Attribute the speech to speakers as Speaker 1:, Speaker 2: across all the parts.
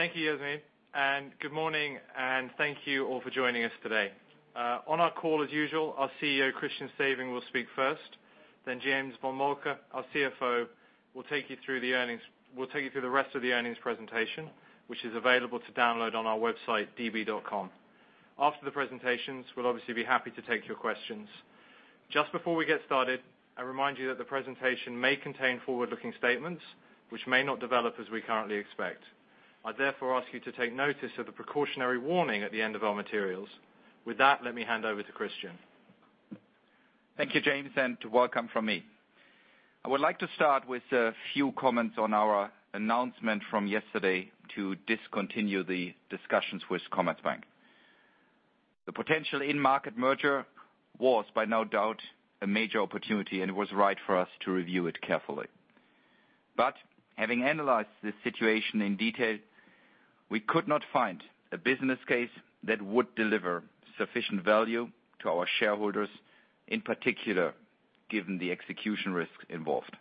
Speaker 1: Thank you, Jasmin, and good morning, and thank you all for joining us today. On our call as usual, our CEO, Christian Sewing, will speak first, then James von Moltke, our CFO, will take you through the rest of the earnings presentation, which is available to download on our website, db.com. After the presentations, we'll obviously be happy to take your questions. Just before we get started, I remind you that the presentation may contain forward-looking statements, which may not develop as we currently expect. I therefore ask you to take notice of the precautionary warning at the end of our materials. With that, let me hand over to Christian.
Speaker 2: Thank you, James, and welcome from me. I would like to start with a few comments on our announcement from yesterday to discontinue the discussions with Commerzbank. The potential end market merger was by no doubt a major opportunity, and it was right for us to review it carefully. Having analyzed this situation in detail, we could not find a business case that would deliver sufficient value to our shareholders, in particular, given the execution risks involved.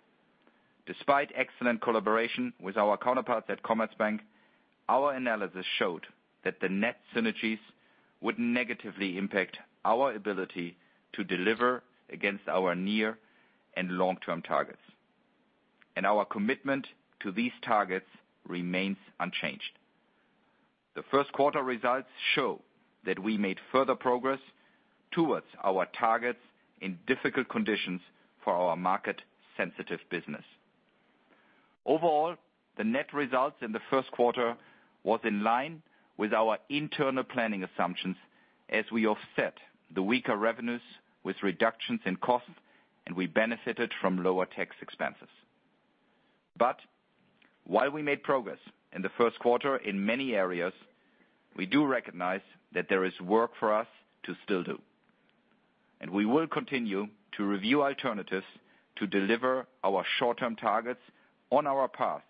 Speaker 2: Despite excellent collaboration with our counterparts at Commerzbank, our analysis showed that the net synergies would negatively impact our ability to deliver against our near and long-term targets. Our commitment to these targets remains unchanged. The first quarter results show that we made further progress towards our targets in difficult conditions for our market-sensitive business. Overall, the net results in the first quarter was in line with our internal planning assumptions as we offset the weaker revenues with reductions in costs, and we benefited from lower tax expenses. While we made progress in the first quarter in many areas, we do recognize that there is work for us to still do, and we will continue to review alternatives to deliver our short-term targets on our path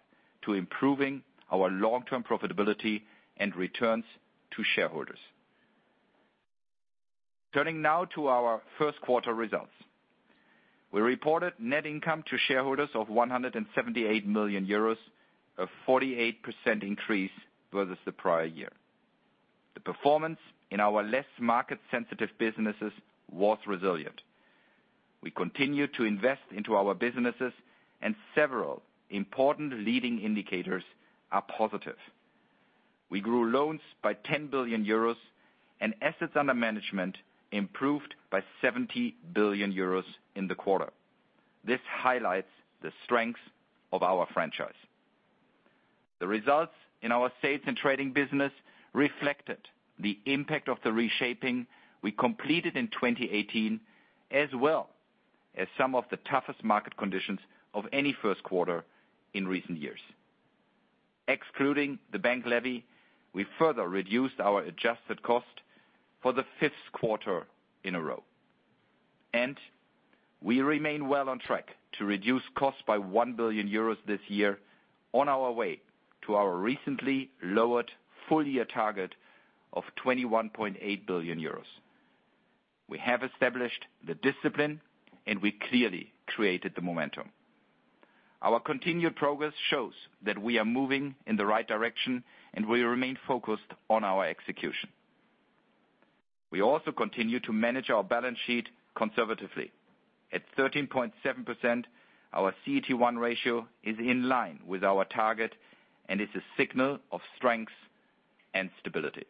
Speaker 2: to improving our long-term profitability and returns to shareholders. Turning now to our first quarter results. We reported net income to shareholders of 178 million euros, a 48% increase versus the prior year. The performance in our less market-sensitive businesses was resilient. We continued to invest into our businesses and several important leading indicators are positive. We grew loans by 10 billion euros and assets under management improved by 70 billion euros in the quarter. This highlights the strength of our franchise. The results in our sales and trading business reflected the impact of the reshaping we completed in 2018, as well as some of the toughest market conditions of any first quarter in recent years. Excluding the bank levy, we further reduced our adjusted cost for the fifth quarter in a row. We remain well on track to reduce costs by 1 billion euros this year on our way to our recently lowered full-year target of 21.8 billion euros. We have established the discipline, and we clearly created the momentum. Our continued progress shows that we are moving in the right direction, and we remain focused on our execution. We also continue to manage our balance sheet conservatively. At 13.7%, our CET1 ratio is in line with our target and is a signal of strength and stability.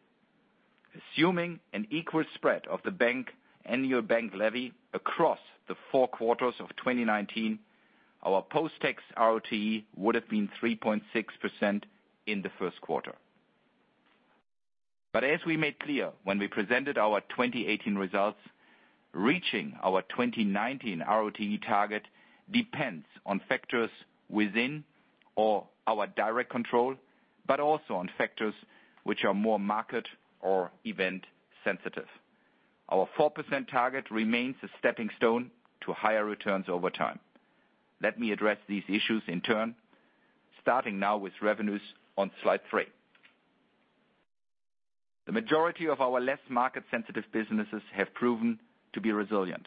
Speaker 2: Assuming an equal spread of the bank and your bank levy across the four quarters of 2019, our post-tax ROTE would have been 3.6% in the first quarter. As we made clear when we presented our 2018 results, reaching our 2019 ROTE target depends on factors within our direct control, also on factors which are more market or event sensitive. Our 4% target remains a stepping stone to higher returns over time. Let me address these issues in turn, starting now with revenues on slide three. The majority of our less market sensitive businesses have proven to be resilient.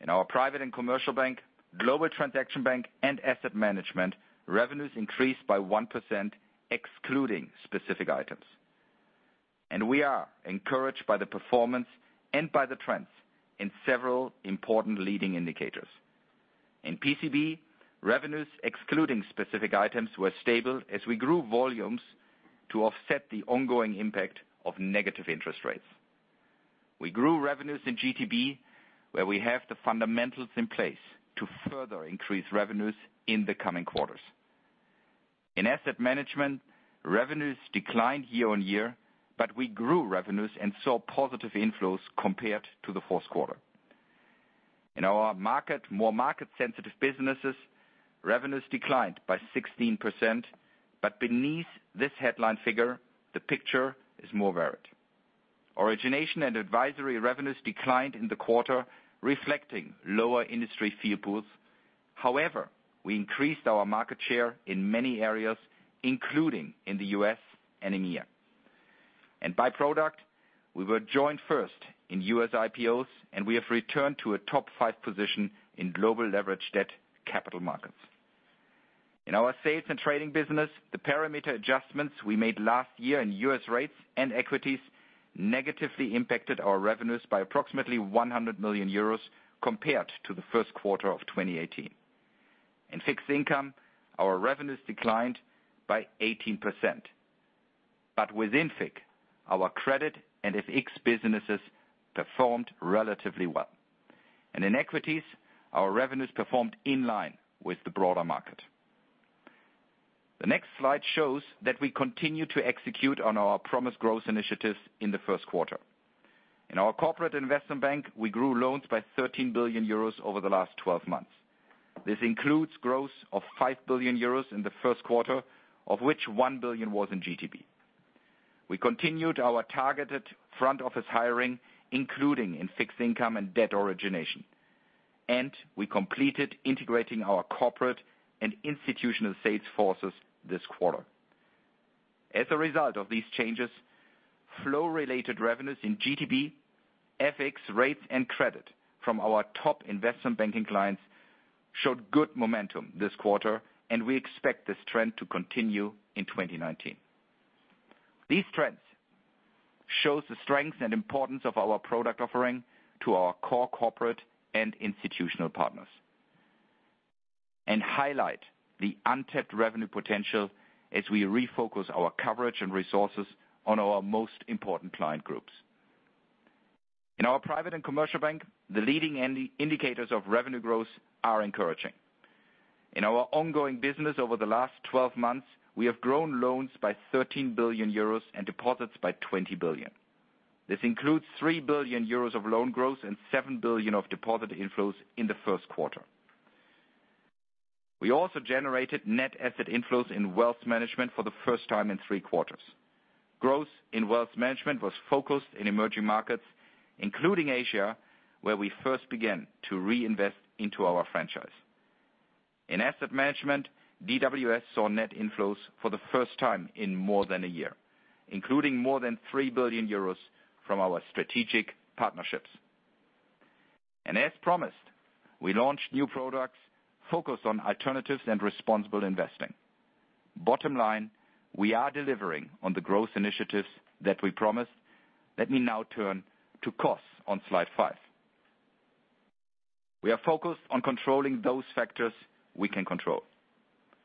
Speaker 2: In our private and commercial bank, global transaction bank and asset management, revenues increased by 1% excluding specific items. We are encouraged by the performance and by the trends in several important leading indicators. In PCB, revenues excluding specific items were stable as we grew volumes to offset the ongoing impact of negative interest rates. We grew revenues in GTB, where we have the fundamentals in place to further increase revenues in the coming quarters. In asset management, revenues declined year-on-year, but we grew revenues and saw positive inflows compared to the fourth quarter. In our more market sensitive businesses, revenues declined by 16%. Beneath this headline figure, the picture is more varied. Origination and advisory revenues declined in the quarter, reflecting lower industry fee pools. However, we increased our market share in many areas, including in the U.S. and EMEA. By product, we were joined first in U.S. IPOs and we have returned to a top five position in global leverage debt capital markets. In our sales and trading business, the parameter adjustments we made last year in U.S. rates and equities negatively impacted our revenues by approximately 100 million euros compared to the first quarter of 2018. In fixed income, our revenues declined by 18%. Within FIC, our credit and FX businesses performed relatively well. In equities, our revenues performed in line with the broader market. The next slide shows that we continue to execute on our promised growth initiatives in the first quarter. In our corporate investment bank, we grew loans by 13 billion euros over the last 12 months. This includes growth of 5 billion euros in the first quarter, of which 1 billion was in GTB. We continued our targeted front office hiring, including in fixed income and debt origination. We completed integrating our corporate and institutional sales forces this quarter. As a result of these changes, flow-related revenues in GTB, FX rates and credit from our top investment banking clients showed good momentum this quarter. We expect this trend to continue in 2019. These trends shows the strength and importance of our product offering to our core corporate and institutional partners, highlight the untapped revenue potential as we refocus our coverage and resources on our most important client groups. In our private and commercial bank, the leading indicators of revenue growth are encouraging. In our ongoing business over the last 12 months, we have grown loans by 13 billion euros and deposits by 20 billion. This includes 3 billion euros of loan growth and 7 billion of deposit inflows in the first quarter. We also generated net asset inflows in wealth management for the first time in three quarters. Growth in wealth management was focused in emerging markets, including Asia, where we first began to reinvest into our franchise. In asset management, DWS saw net inflows for the first time in more than a year, including more than 3 billion euros from our strategic partnerships. As promised, we launched new products focused on alternatives and responsible investing. Bottom line, we are delivering on the growth initiatives that we promised. Let me now turn to costs on slide five. We are focused on controlling those factors we can control.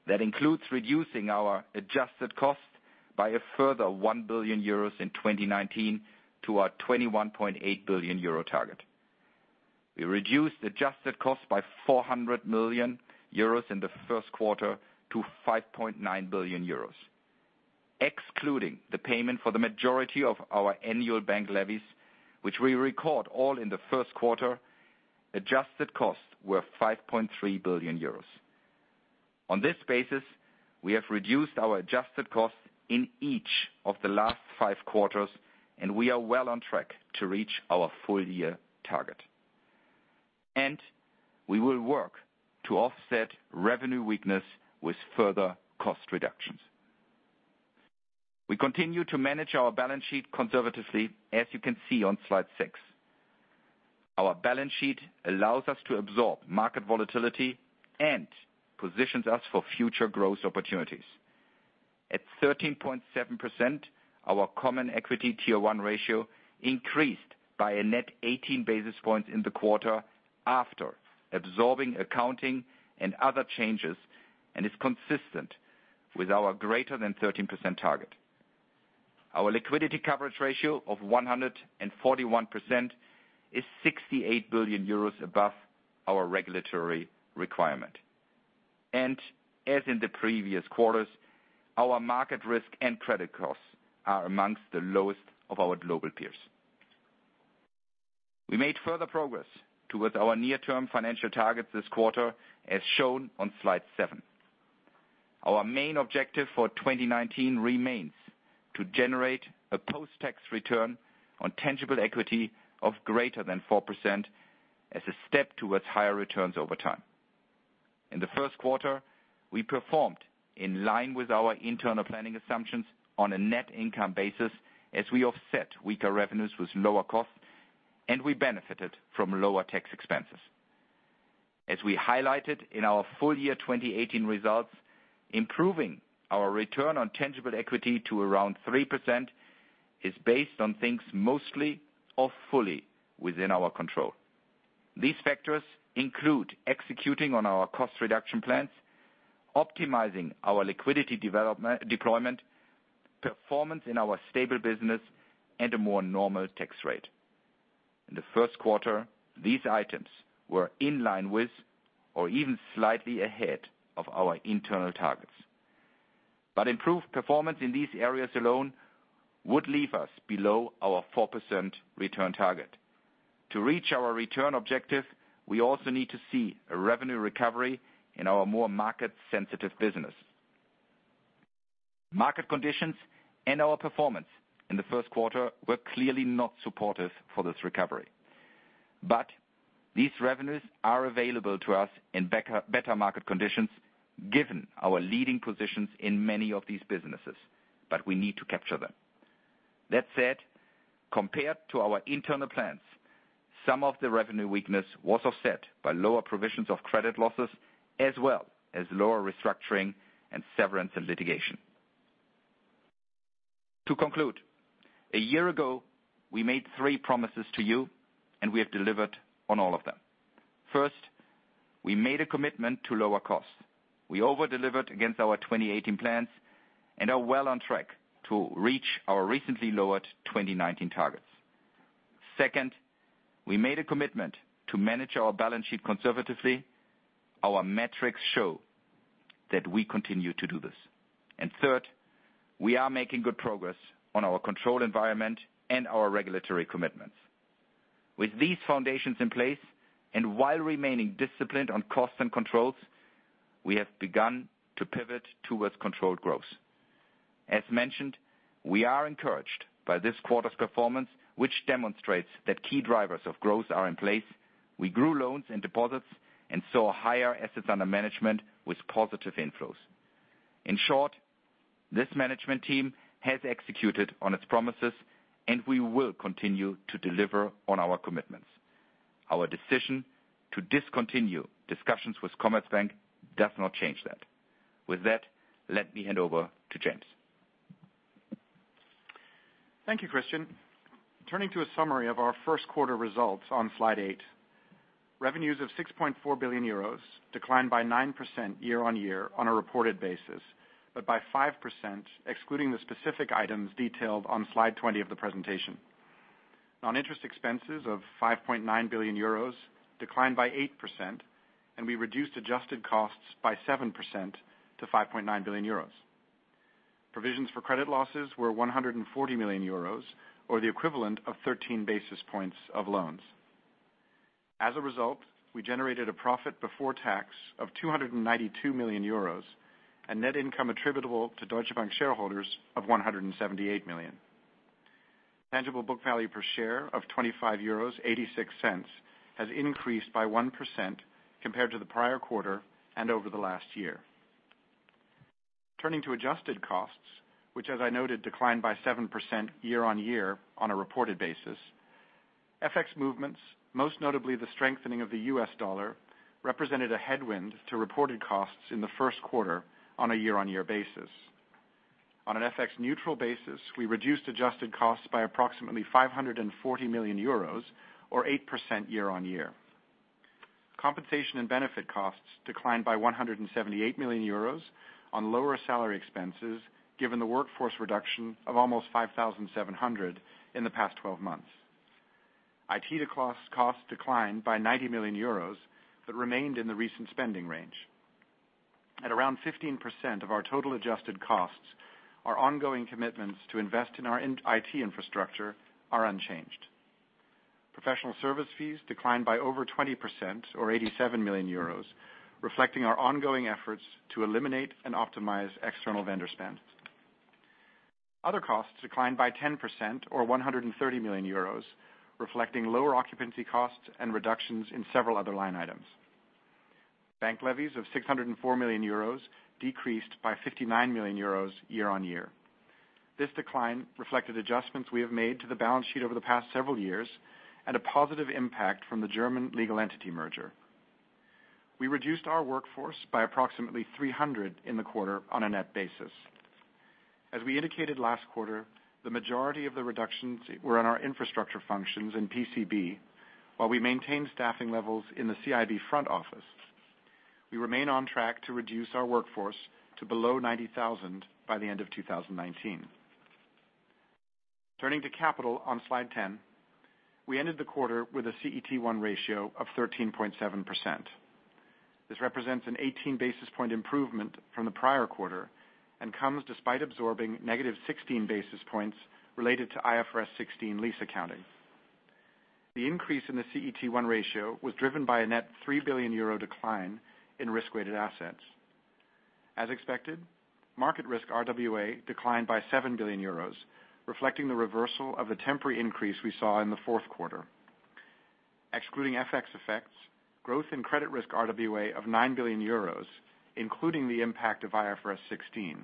Speaker 2: That includes reducing our adjusted cost by a further 1 billion euros in 2019 to our 21.8 billion euro target. We reduced adjusted cost by 400 million euros in the first quarter to 5.9 billion euros. Excluding the payment for the majority of our annual bank levies, which we record all in the first quarter, adjusted costs were 5.3 billion euros. On this basis, we have reduced our adjusted costs in each of the last five quarters, we are well on track to reach our full year target. We will work to offset revenue weakness with further cost reductions. We continue to manage our balance sheet conservatively, as you can see on slide six. Our balance sheet allows us to absorb market volatility and positions us for future growth opportunities. At 13.7%, our common equity CET1 ratio increased by a net 18 basis points in the quarter after absorbing accounting and other changes, and is consistent with our greater than 13% target. Our liquidity coverage ratio of 141% is 68 billion euros above our regulatory requirement. As in the previous quarters, our market risk and credit costs are amongst the lowest of our global peers. We made further progress towards our near-term financial targets this quarter, as shown on slide seven. Our main objective for 2019 remains to generate a post-tax ROTE of greater than 4% as a step towards higher returns over time. In the first quarter, we performed in line with our internal planning assumptions on a net income basis as we offset weaker revenues with lower costs, and we benefited from lower tax expenses. As we highlighted in our full year 2018 results, improving our ROTE to around 3% is based on things mostly or fully within our control. These factors include executing on our cost reduction plans, optimizing our liquidity deployment, performance in our stable business, and a more normal tax rate. In the first quarter, these items were in line with or even slightly ahead of our internal targets. Improved performance in these areas alone would leave us below our 4% return target. To reach our return objective, we also need to see a revenue recovery in our more market sensitive business. Market conditions and our performance in the first quarter were clearly not supportive for this recovery. These revenues are available to us in better market conditions given our leading positions in many of these businesses, but we need to capture them. That said, compared to our internal plans, some of the revenue weakness was offset by lower provisions of credit losses as well as lower restructuring and severance and litigation. To conclude, a year ago, we made three promises to you, we have delivered on all of them. First, we made a commitment to lower costs. We over-delivered against our 2018 plans and are well on track to reach our recently lowered 2019 targets. Second, we made a commitment to manage our balance sheet conservatively. Our metrics show that we continue to do this. Third, we are making good progress on our controlled environment and our regulatory commitments. With these foundations in place and while remaining disciplined on costs and controls, we have begun to pivot towards controlled growth. As mentioned, we are encouraged by this quarter's performance, which demonstrates that key drivers of growth are in place. We grew loans and deposits and saw higher assets under management with positive inflows. In short, this management team has executed on its promises, and we will continue to deliver on our commitments. Our decision to discontinue discussions with Commerzbank does not change that. With that, let me hand over to James.
Speaker 3: Thank you, Christian. Turning to a summary of our first quarter results on slide eight. Revenues of 6.4 billion euros declined by 9% year-on-year on a reported basis, but by 5% excluding the specific items detailed on slide 20 of the presentation. Non-interest expenses of 5.9 billion euros declined by 8%, and we reduced adjusted costs by 7% to 5.9 billion euros. Provisions for credit losses were 140 million euros, or the equivalent of 13 basis points of loans. As a result, we generated a profit before tax of 292 million euros and net income attributable to Deutsche Bank shareholders of 178 million. Tangible book value per share of 25.86 euros has increased by 1% compared to the prior quarter and over the last year. Turning to adjusted costs, which as I noted, declined by 7% year-on-year on a reported basis. FX movements, most notably the strengthening of the U.S. dollar, represented a headwind to reported costs in the first quarter on a year-on-year basis. On an FX neutral basis, we reduced adjusted costs by approximately 540 million euros or 8% year-on-year. Compensation and benefit costs declined by 178 million euros on lower salary expenses given the workforce reduction of almost 5,700 in the past 12 months. IT cost declined by 90 million euros but remained in the recent spending range. At around 15% of our total adjusted costs, our ongoing commitments to invest in our IT infrastructure are unchanged. Professional service fees declined by over 20% or 87 million euros, reflecting our ongoing efforts to eliminate and optimize external vendor spend. Other costs declined by 10% or 130 million euros, reflecting lower occupancy costs and reductions in several other line items. Bank levies of 604 million euros decreased by 59 million euros year-on-year. This decline reflected adjustments we have made to the balance sheet over the past several years and a positive impact from the German legal entity merger. We reduced our workforce by approximately 300 in the quarter on a net basis. As we indicated last quarter, the majority of the reductions were in our infrastructure functions in PCB, while we maintained staffing levels in the CIB front office. We remain on track to reduce our workforce to below 90,000 by the end of 2019. Turning to capital on slide 10. We ended the quarter with a CET1 ratio of 13.7%. This represents an 18 basis point improvement from the prior quarter and comes despite absorbing -16 basis points related to IFRS 16 lease accounting. The increase in the CET1 ratio was driven by a net 3 billion euro decline in risk-weighted assets. As expected, market risk RWA declined by 7 billion euros, reflecting the reversal of the temporary increase we saw in the fourth quarter. Excluding FX effects, growth in credit risk RWA of 9 billion euros, including the impact of IFRS 16,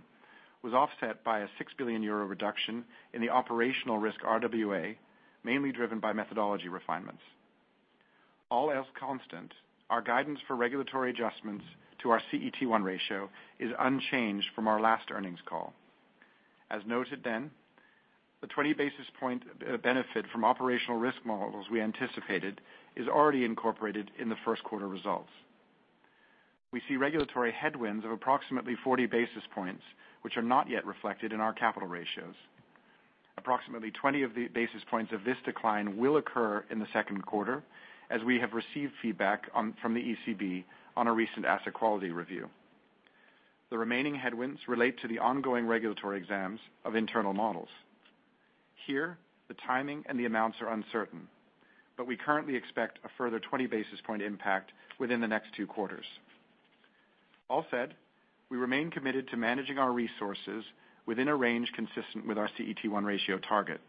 Speaker 3: was offset by a 6 billion euro reduction in the operational risk RWA, mainly driven by methodology refinements. All else constant, our guidance for regulatory adjustments to our CET1 ratio is unchanged from our last earnings call. As noted then, the 20 basis point benefit from operational risk models we anticipated is already incorporated in the first quarter results. We see regulatory headwinds of approximately 40 basis points, which are not yet reflected in our capital ratios. Approximately 20 of the basis points of this decline will occur in the second quarter, as we have received feedback from the ECB on a recent asset quality review. The remaining headwinds relate to the ongoing regulatory exams of internal models. Here, the timing and the amounts are uncertain, but we currently expect a further 20 basis point impact within the next two quarters. All said, we remain committed to managing our resources within a range consistent with our CET1 ratio target.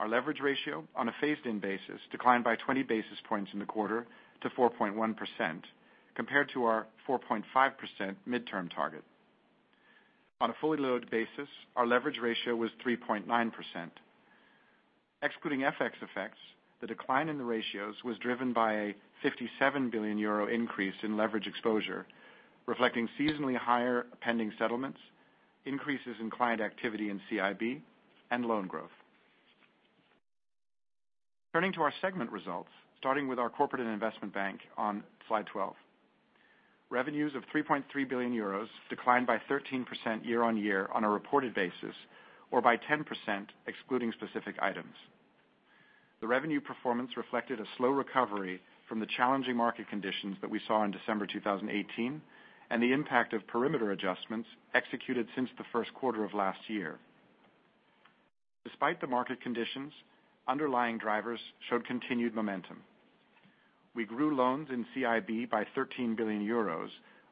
Speaker 3: Our leverage ratio on a phased-in basis declined by 20 basis points in the quarter to 4.1%, compared to our 4.5% midterm target. On a fully loaded basis, our leverage ratio was 3.9%. Excluding FX effects, the decline in the ratios was driven by a 57 billion euro increase in leverage exposure, reflecting seasonally higher pending settlements, increases in client activity in CIB, and loan growth. Turning to our segment results, starting with our corporate and investment bank on slide 12. Revenues of 3.3 billion euros declined by 13% year-on-year on a reported basis, or by 10%, excluding specific items. The revenue performance reflected a slow recovery from the challenging market conditions that we saw in December 2018, and the impact of perimeter adjustments executed since the first quarter of last year. Despite the market conditions, underlying drivers showed continued momentum. We grew loans in CIB by 13 billion euros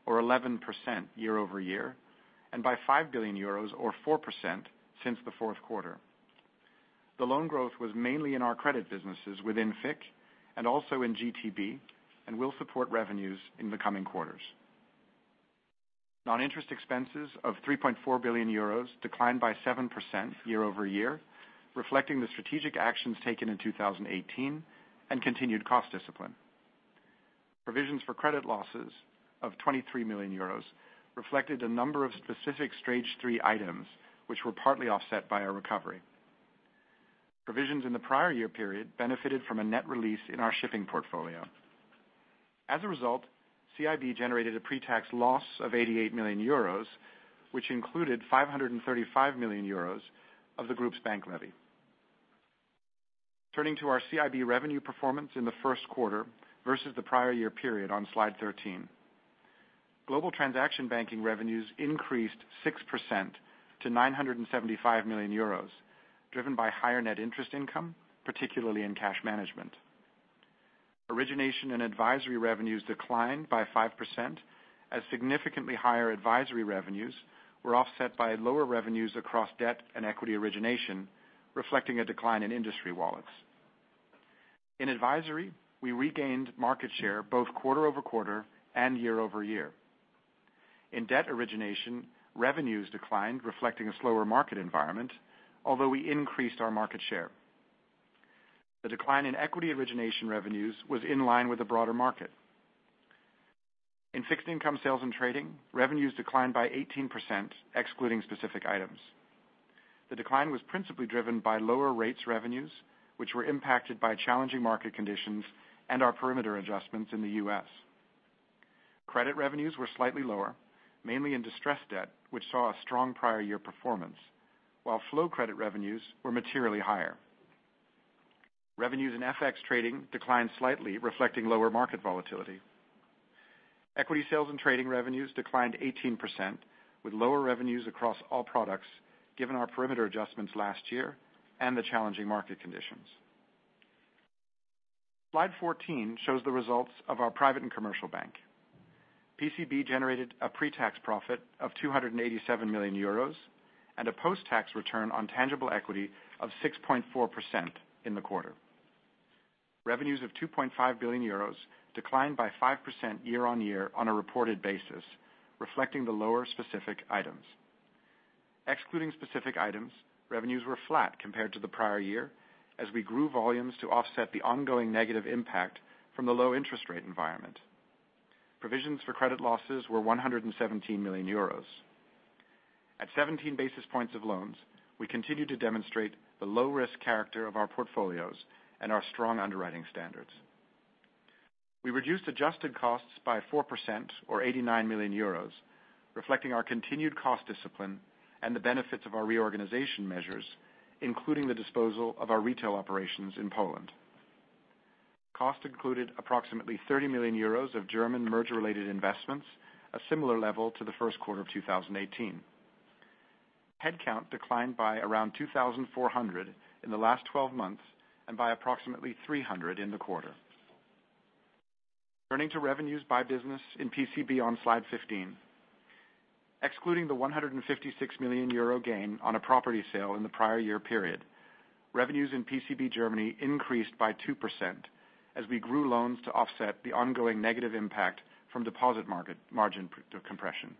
Speaker 3: or 11% year-over-year, and by 5 billion euros or 4% since the fourth quarter. The loan growth was mainly in our credit businesses within FIC and also in GTB, and will support revenues in the coming quarters. Non-interest expenses of 3.4 billion euros declined by 7% year-over-year, reflecting the strategic actions taken in 2018 and continued cost discipline. Provisions for credit losses of 23 million euros reflected a number of specific Stage 3 items, which were partly offset by a recovery. Provisions in the prior year period benefited from a net release in our shipping portfolio. As a result, CIB generated a pre-tax loss of 88 million euros, which included 535 million euros of the group's bank levy. Turning to our CIB revenue performance in the first quarter versus the prior year period on slide 13. Global transaction banking revenues increased 6% to 975 million euros, driven by higher net interest income, particularly in cash management. Origination and advisory revenues declined by 5% as significantly higher advisory revenues were offset by lower revenues across debt and equity origination, reflecting a decline in industry wallets. In advisory, we regained market share both quarter-over-quarter and year-over-year. In debt origination, revenues declined, reflecting a slower market environment, although we increased our market share. The decline in equity origination revenues was in line with the broader market. In fixed income sales and trading, revenues declined by 18%, excluding specific items. The decline was principally driven by lower rates revenues, which were impacted by challenging market conditions and our perimeter adjustments in the U.S. Credit revenues were slightly lower, mainly in distressed debt, which saw a strong prior year performance, while flow credit revenues were materially higher. Revenues in FX trading declined slightly, reflecting lower market volatility. Equity sales and trading revenues declined 18% with lower revenues across all products, given our perimeter adjustments last year and the challenging market conditions. Slide 14 shows the results of our private and commercial bank. PCB generated a pre-tax profit of 287 million euros and a post-tax return on tangible equity of 6.4% in the quarter. Revenues of 2.5 billion euros declined by 5% year-on-year on a reported basis, reflecting the lower specific items. Excluding specific items, revenues were flat compared to the prior year as we grew volumes to offset the ongoing negative impact from the low interest rate environment. Provisions for credit losses were 117 million euros. At 17 basis points of loans, we continue to demonstrate the low-risk character of our portfolios and our strong underwriting standards. We reduced adjusted costs by 4% or 89 million euros, reflecting our continued cost discipline and the benefits of our reorganization measures, including the disposal of our retail operations in Poland. Cost included approximately 30 million euros of German merger-related investments, a similar level to the first quarter of 2018. Headcount declined by around 2,400 in the last 12 months and by approximately 300 in the quarter. Turning to revenues by business in PCB on slide 15. Excluding the 156 million euro gain on a property sale in the prior year period, revenues in PCB Germany increased by 2% as we grew loans to offset the ongoing negative impact from deposit margin compression.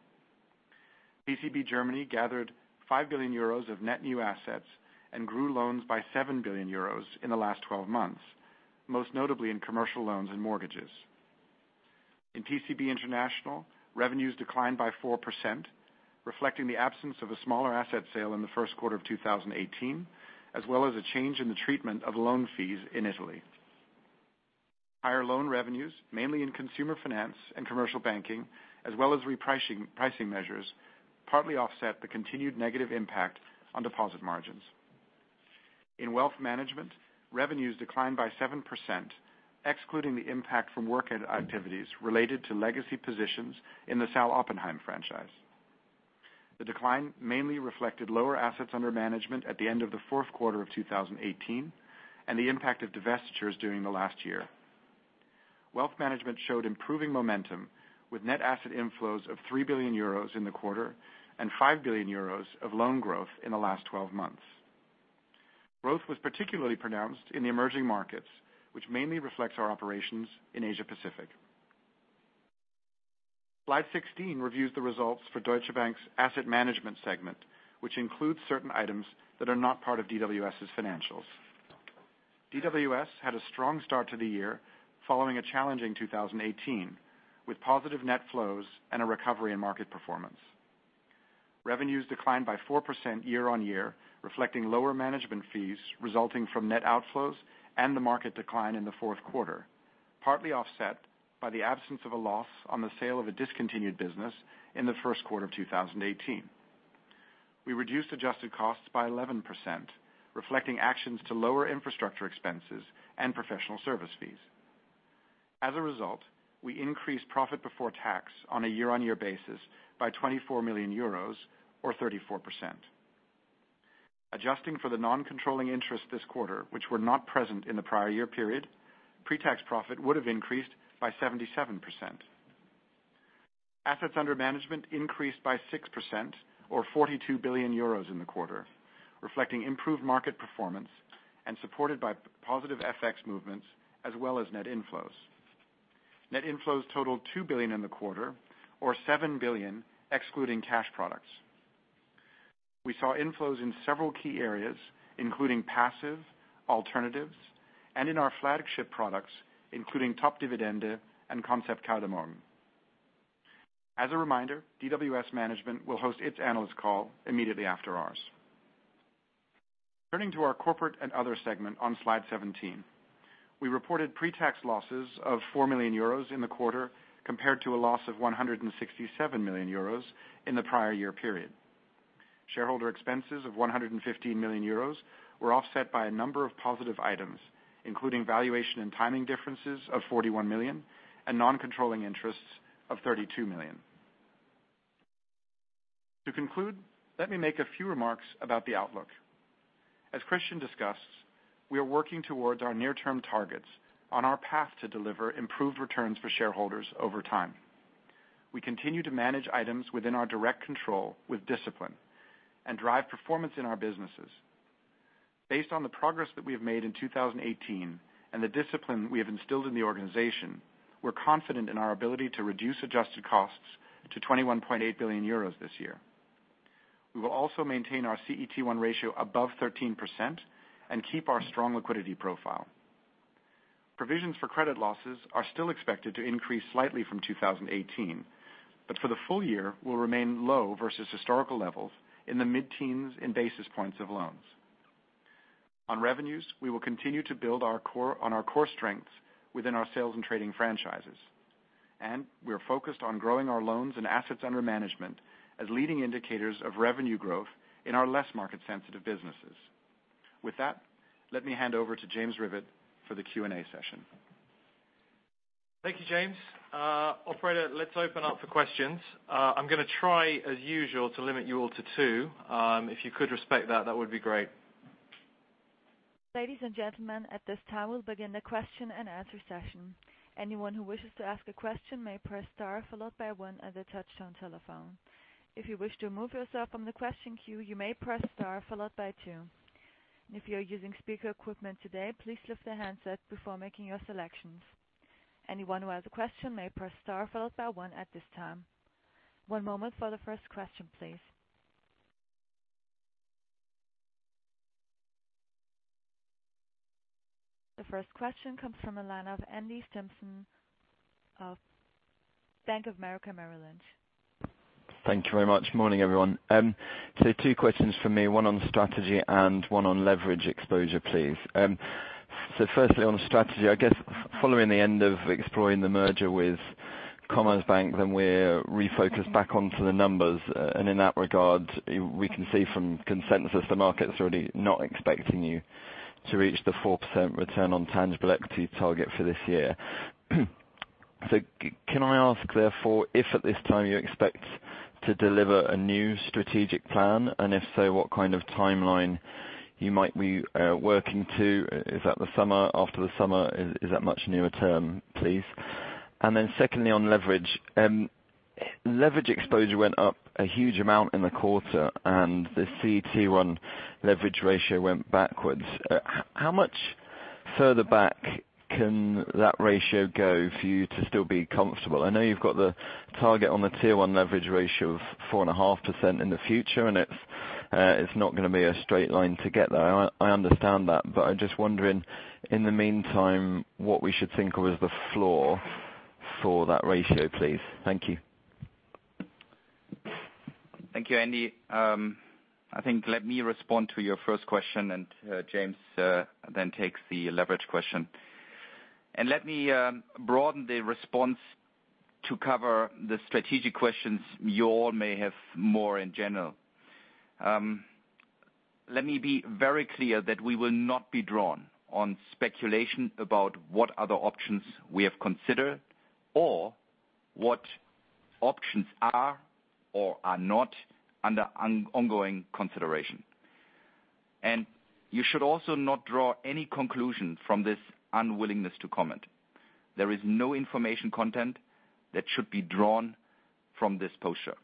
Speaker 3: PCB Germany gathered 5 billion euros of net new assets and grew loans by 7 billion euros in the last 12 months, most notably in commercial loans and mortgages. In PCB International, revenues declined by 4%, reflecting the absence of a smaller asset sale in the first quarter of 2018, as well as a change in the treatment of loan fees in Italy. Higher loan revenues, mainly in consumer finance and commercial banking, as well as repricing measures, partly offset the continued negative impact on deposit margins. In wealth management, revenues declined by 7%, excluding the impact from workout activities related to legacy positions in the Sal. Oppenheim franchise. The decline mainly reflected lower assets under management at the end of the fourth quarter of 2018 and the impact of divestitures during the last year. Wealth management showed improving momentum with net asset inflows of 3 billion euros in the quarter and 5 billion euros of loan growth in the last 12 months. Growth was particularly pronounced in the emerging markets, which mainly reflects our operations in Asia-Pacific. Slide 16 reviews the results for Deutsche Bank's asset management segment, which includes certain items that are not part of DWS's financials. DWS had a strong start to the year following a challenging 2018, with positive net flows and a recovery in market performance. Revenues declined by 4% year-on-year, reflecting lower management fees resulting from net outflows and the market decline in the fourth quarter, partly offset by the absence of a loss on the sale of a discontinued business in the first quarter of 2018. We reduced adjusted costs by 11%, reflecting actions to lower infrastructure expenses and professional service fees. As a result, we increased profit before tax on a year-on-year basis by 24 million euros or 34%. Adjusting for the non-controlling interests this quarter, which were not present in the prior year period, pre-tax profit would have increased by 77%. Assets under management increased by 6% or 42 billion euros in the quarter, reflecting improved market performance and supported by positive FX movements as well as net inflows. Net inflows totaled 2 billion in the quarter or 7 billion excluding cash products. We saw inflows in several key areas, including passive, alternatives, and in our flagship products, including Top Dividende and Concept Kaldemorgen. As a reminder, DWS management will host its analyst call immediately after ours. Turning to our corporate and other segment on slide 17. We reported pre-tax losses of 4 million euros in the quarter compared to a loss of 167 million euros in the prior year period. Shareholder expenses of 115 million euros were offset by a number of positive items, including valuation and timing differences of 41 million and non-controlling interests of 32 million. To conclude, let me make a few remarks about the outlook. As Christian discussed, we are working towards our near-term targets on our path to deliver improved returns for shareholders over time. We continue to manage items within our direct control with discipline and drive performance in our businesses. Based on the progress that we have made in 2018 and the discipline we have instilled in the organization, we're confident in our ability to reduce adjusted costs to 21.8 billion euros this year. We will also maintain our CET1 ratio above 13% and keep our strong liquidity profile. Provisions for credit losses are still expected to increase slightly from 2018, but for the full year will remain low versus historical levels in the mid-teens in basis points of loans. We are focused on growing our loans and assets under management as leading indicators of revenue growth in our less market sensitive businesses. With that, let me hand over to James Rivett for the Q&A session.
Speaker 1: Thank you, James. Operator, let's open up for questions. I'm going to try, as usual, to limit you all to two. If you could respect that would be great.
Speaker 4: Ladies and gentlemen, at this time we'll begin the question-and-answer session. Anyone who wishes to ask a question may press star followed by one on their touchtone telephone. If you wish to remove yourself from the question queue, you may press star followed by two. If you are using speaker equipment today, please lift the handset before making your selections. Anyone who has a question may press star followed by one at this time. One moment for the first question, please. The first question comes from the line of Andy Stimpson of Bank of America Merrill Lynch.
Speaker 5: Thank you very much. Morning, everyone. Two questions for me, one on strategy and one on leverage exposure, please. Firstly, on strategy, I guess following the end of exploring the merger with Commerzbank, we're refocused back onto the numbers. In that regard, we can see from consensus the market's already not expecting you to reach the 4% return on tangible equity target for this year. Can I ask therefore, if at this time you expect to deliver a new strategic plan? If so, what kind of timeline you might be working to? Is that the summer, after the summer? Is that much nearer-term, please? Secondly, on leverage. Leverage exposure went up a huge amount in the quarter and the CET1 leverage ratio went backwards. How much further back can that ratio go for you to still be comfortable? I know you've got the target on the Tier 1 leverage ratio of 4.5% in the future. It's not going to be a straight line to get there. I understand that, I'm just wondering in the meantime, what we should think of as the floor for that ratio, please. Thank you.
Speaker 2: Thank you, Andy. I think let me respond to your first question. James then takes the leverage question. Let me broaden the response to cover the strategic questions you all may have more in general. Let me be very clear that we will not be drawn on speculation about what other options we have considered or what options are or are not under ongoing consideration. You should also not draw any conclusion from this unwillingness to comment. There is no information content that should be drawn from this posture.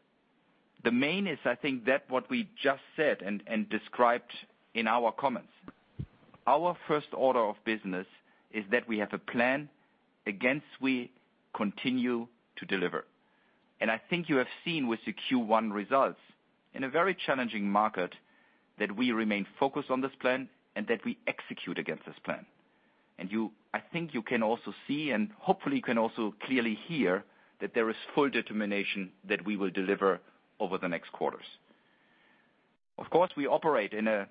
Speaker 2: The main is, I think, that what we just said and described in our comments. Our first order of business is that we have a plan against we continue to deliver. I think you have seen with the Q1 results, in a very challenging market, that we remain focused on this plan and that we execute against this plan. I think you can also see, and hopefully you can also clearly hear, that there is full determination that we will deliver over the next quarters. Of course, we operate in a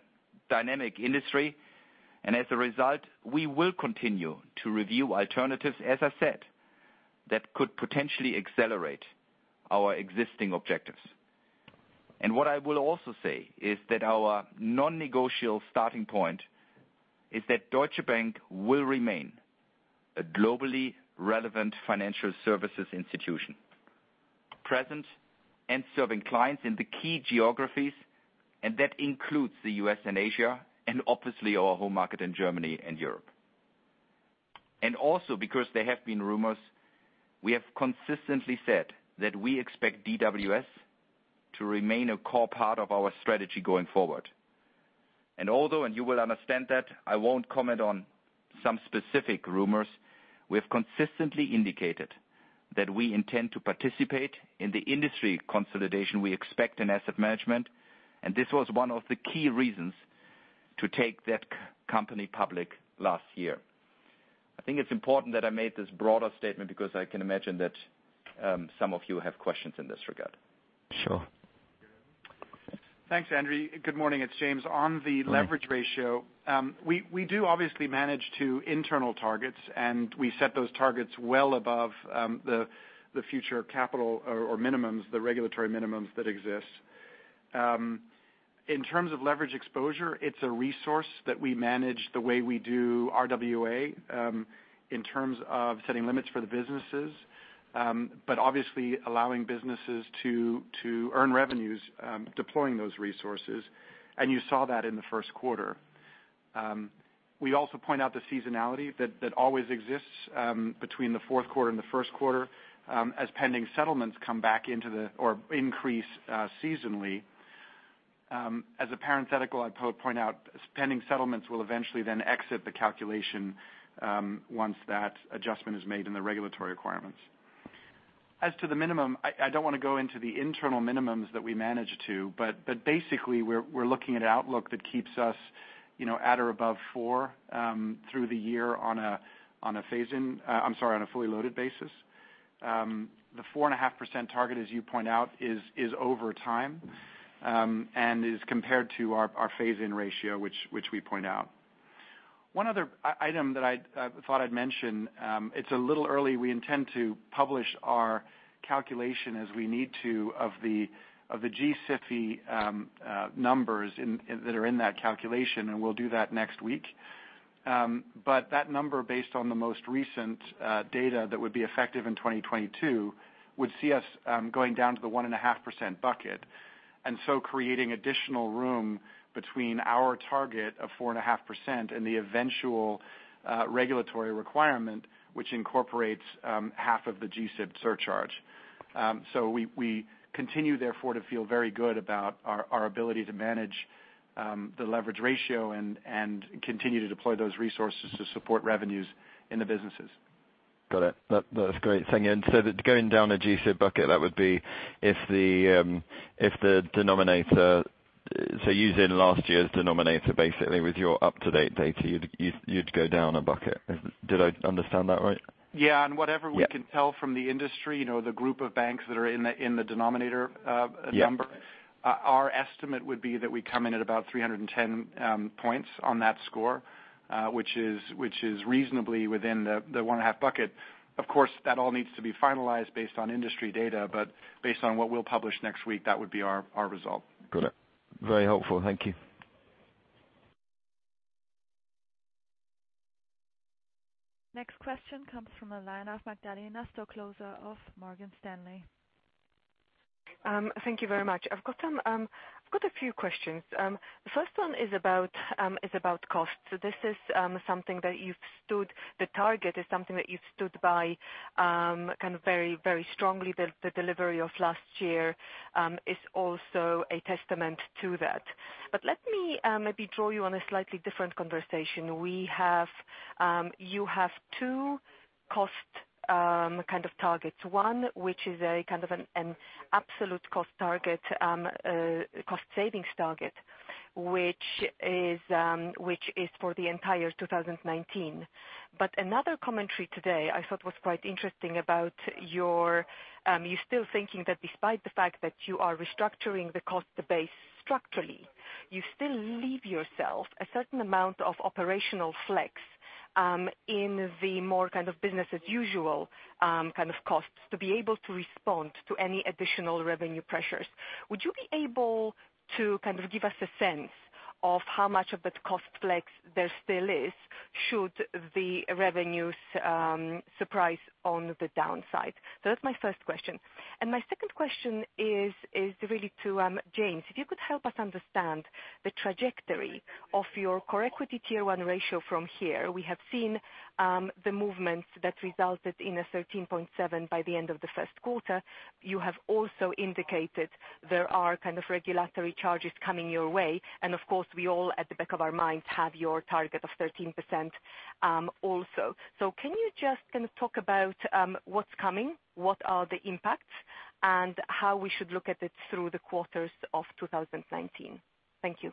Speaker 2: dynamic industry, as a result, we will continue to review alternatives, as I said, that could potentially accelerate our existing objectives. What I will also say is that our non-negotiable starting point is that Deutsche Bank will remain a globally relevant financial services institution, present and serving clients in the key geographies, that includes the U.S. and Asia, and obviously our home market in Germany and Europe. Also because there have been rumors, we have consistently said that we expect DWS to remain a core part of our strategy going forward. Although, and you will understand that, I won't comment on some specific rumors, we have consistently indicated that we intend to participate in the industry consolidation we expect in asset management, and this was one of the key reasons to take that company public last year. I think it's important that I made this broader statement because I can imagine that some of you have questions in this regard.
Speaker 5: Sure.
Speaker 3: Thanks, Andy. Good morning. It's James. On the leverage ratio, we do obviously manage two internal targets, we set those targets well above the future capital or minimums, the regulatory minimums that exist. In terms of leverage exposure, it's a resource that we manage the way we do RWA, in terms of setting limits for the businesses. Obviously allowing businesses to earn revenues deploying those resources, and you saw that in the first quarter. We also point out the seasonality that always exists between the fourth quarter and the first quarter as pending settlements come back into or increase seasonally. As a parenthetical, I'd point out pending settlements will eventually then exit the calculation once that adjustment is made in the regulatory requirements. As to the minimum, I do not want to go into the internal minimums that we manage to, but basically, we are looking at outlook that keeps us at or above four through the year on a phase-in, I am sorry, on a fully loaded basis. The 4.5% target, as you point out, is over time, and is compared to our phase-in ratio, which we point out. One other item I thought I would mention. It is a little early. We intend to publish our calculation as we need to of the G-SIFI numbers that are in that calculation, and we will do that next week. That number, based on the most recent data that would be effective in 2022, would see us going down to the 1.5% bucket. Creating additional room between our target of 4.5% and the eventual regulatory requirement, which incorporates half of the G-SIB surcharge. We continue, therefore, to feel very good about our ability to manage the leverage ratio and continue to deploy those resources to support revenues in the businesses.
Speaker 5: Got it. That is great. Thank you. Going down a G-SIB bucket, that would be if the denominator. Using last year's denominator, basically, with your up-to-date data, you would go down a bucket. Did I understand that right?
Speaker 3: Yeah. Whatever we can tell from the industry, the group of banks that are in the denominator number, our estimate would be that we come in at about 310 points on that score, which is reasonably within the 1.5 bucket. Of course, that all needs to be finalized based on industry data, but based on what we will publish next week, that would be our result.
Speaker 5: Got it. Very helpful. Thank you.
Speaker 4: Next question comes from the line of Magdalena Stoklosa of Morgan Stanley.
Speaker 6: Thank you very much. I've got a few questions. The first one is about cost. This is something that you've stood, the target is something that you've stood by kind of very strongly. The delivery of last year is also a testament to that. Let me maybe draw you on a slightly different conversation. You have two cost kind of targets. One, which is a kind of an absolute cost target, cost savings target, which is for the entire 2019. Another commentary today I thought was quite interesting about you still thinking that despite the fact that you are restructuring the cost base structurally, you still leave yourself a certain amount of operational flex in the more kind of business as usual costs to be able to respond to any additional revenue pressures. Would you be able to give us a sense of how much of that cost flex there still is, should the revenues surprise on the downside? That's my first question. My second question is really to James. If you could help us understand the trajectory of your core equity Tier 1 ratio from here. We have seen the movements that resulted in a 13.7 by the end of the first quarter. You have also indicated there are kind of regulatory charges coming your way. And of course, we all, at the back of our minds, have your target of 13% also. Can you just talk about what's coming, what are the impacts, and how we should look at it through the quarters of 2019? Thank you.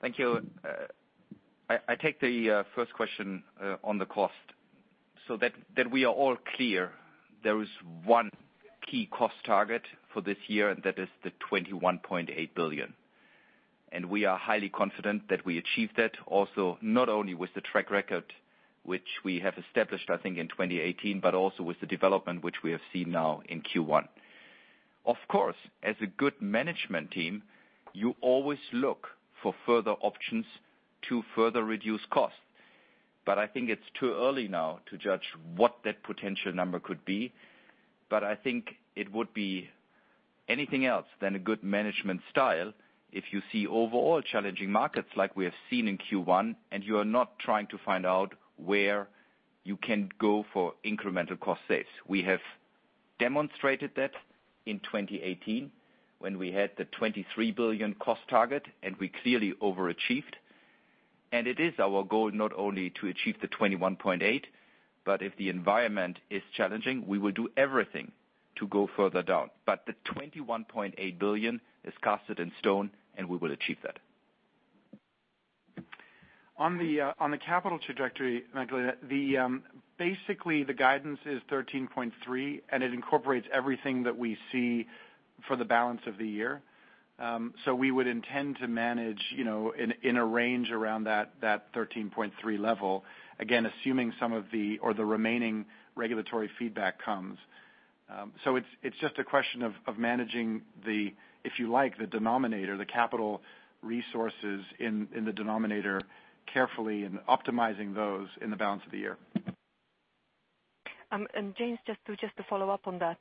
Speaker 2: Thank you. I take the first question on the cost. That we are all clear, there is one key cost target for this year, and that is the 21.8 billion. We are highly confident that we achieve that also, not only with the track record which we have established, I think, in 2018, but also with the development which we have seen now in Q1. Of course, as a good management team, you always look for further options to further reduce costs. I think it's too early now to judge what that potential number could be. I think it would be anything else than a good management style if you see overall challenging markets like we have seen in Q1, and you are not trying to find out where you can go for incremental cost saves. We have demonstrated that in 2018 when we had the 23 billion cost target, and we clearly overachieved. It is our goal not only to achieve the 21.8 billion, but if the environment is challenging, we will do everything to go further down. The 21.8 billion is casted in stone, and we will achieve that.
Speaker 3: On the capital trajectory, Magdalena, basically the guidance is 13.3%, and it incorporates everything that we see for the balance of the year. We would intend to manage in a range around that 13.3% level, again, assuming some of the remaining regulatory feedback comes. It's just a question of managing the, if you like, the denominator, the capital resources in the denominator carefully and optimizing those in the balance of the year.
Speaker 6: James, just to follow-up on that.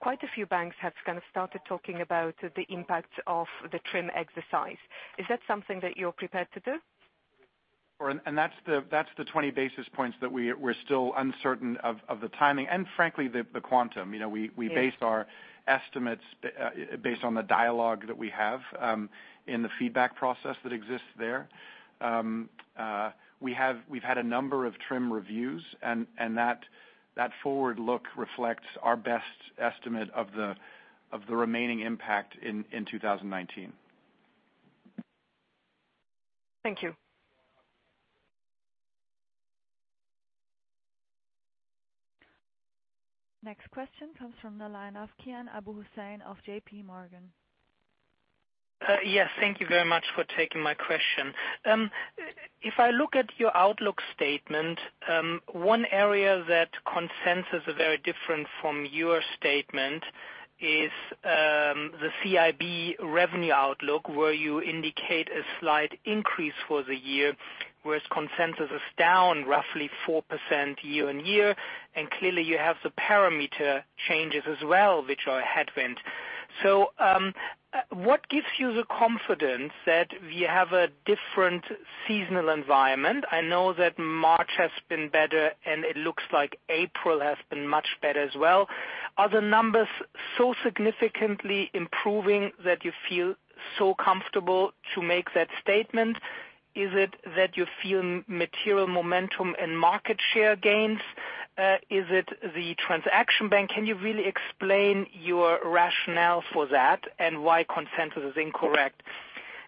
Speaker 6: Quite a few banks have started talking about the impact of the TRIM exercise. Is that something that you're prepared to do?
Speaker 3: That's the 20 basis points that we're still uncertain of the timing and frankly, the quantum. We based our estimates based on the dialogue that we have in the feedback process that exists there. We've had a number of TRIM reviews, and that forward look reflects our best estimate of the remaining impact in 2019.
Speaker 6: Thank you.
Speaker 4: Next question comes from the line of Kian Abouhossein of JPMorgan.
Speaker 7: Yes, thank you very much for taking my question. If I look at your outlook statement, one area that consensus are very different from your statement is the CIB revenue outlook, where you indicate a slight increase for the year, whereas consensus is down roughly 4% year-on-year. Clearly, you have the parameter changes as well, which are a headwind. What gives you the confidence that we have a different seasonal environment? I know that March has been better, and it looks like April has been much better as well. Are the numbers so significantly improving that you feel so comfortable to make that statement? Is it that you feel material momentum and market share gains? Is it the transaction bank? Can you really explain your rationale for that and why consensus is incorrect?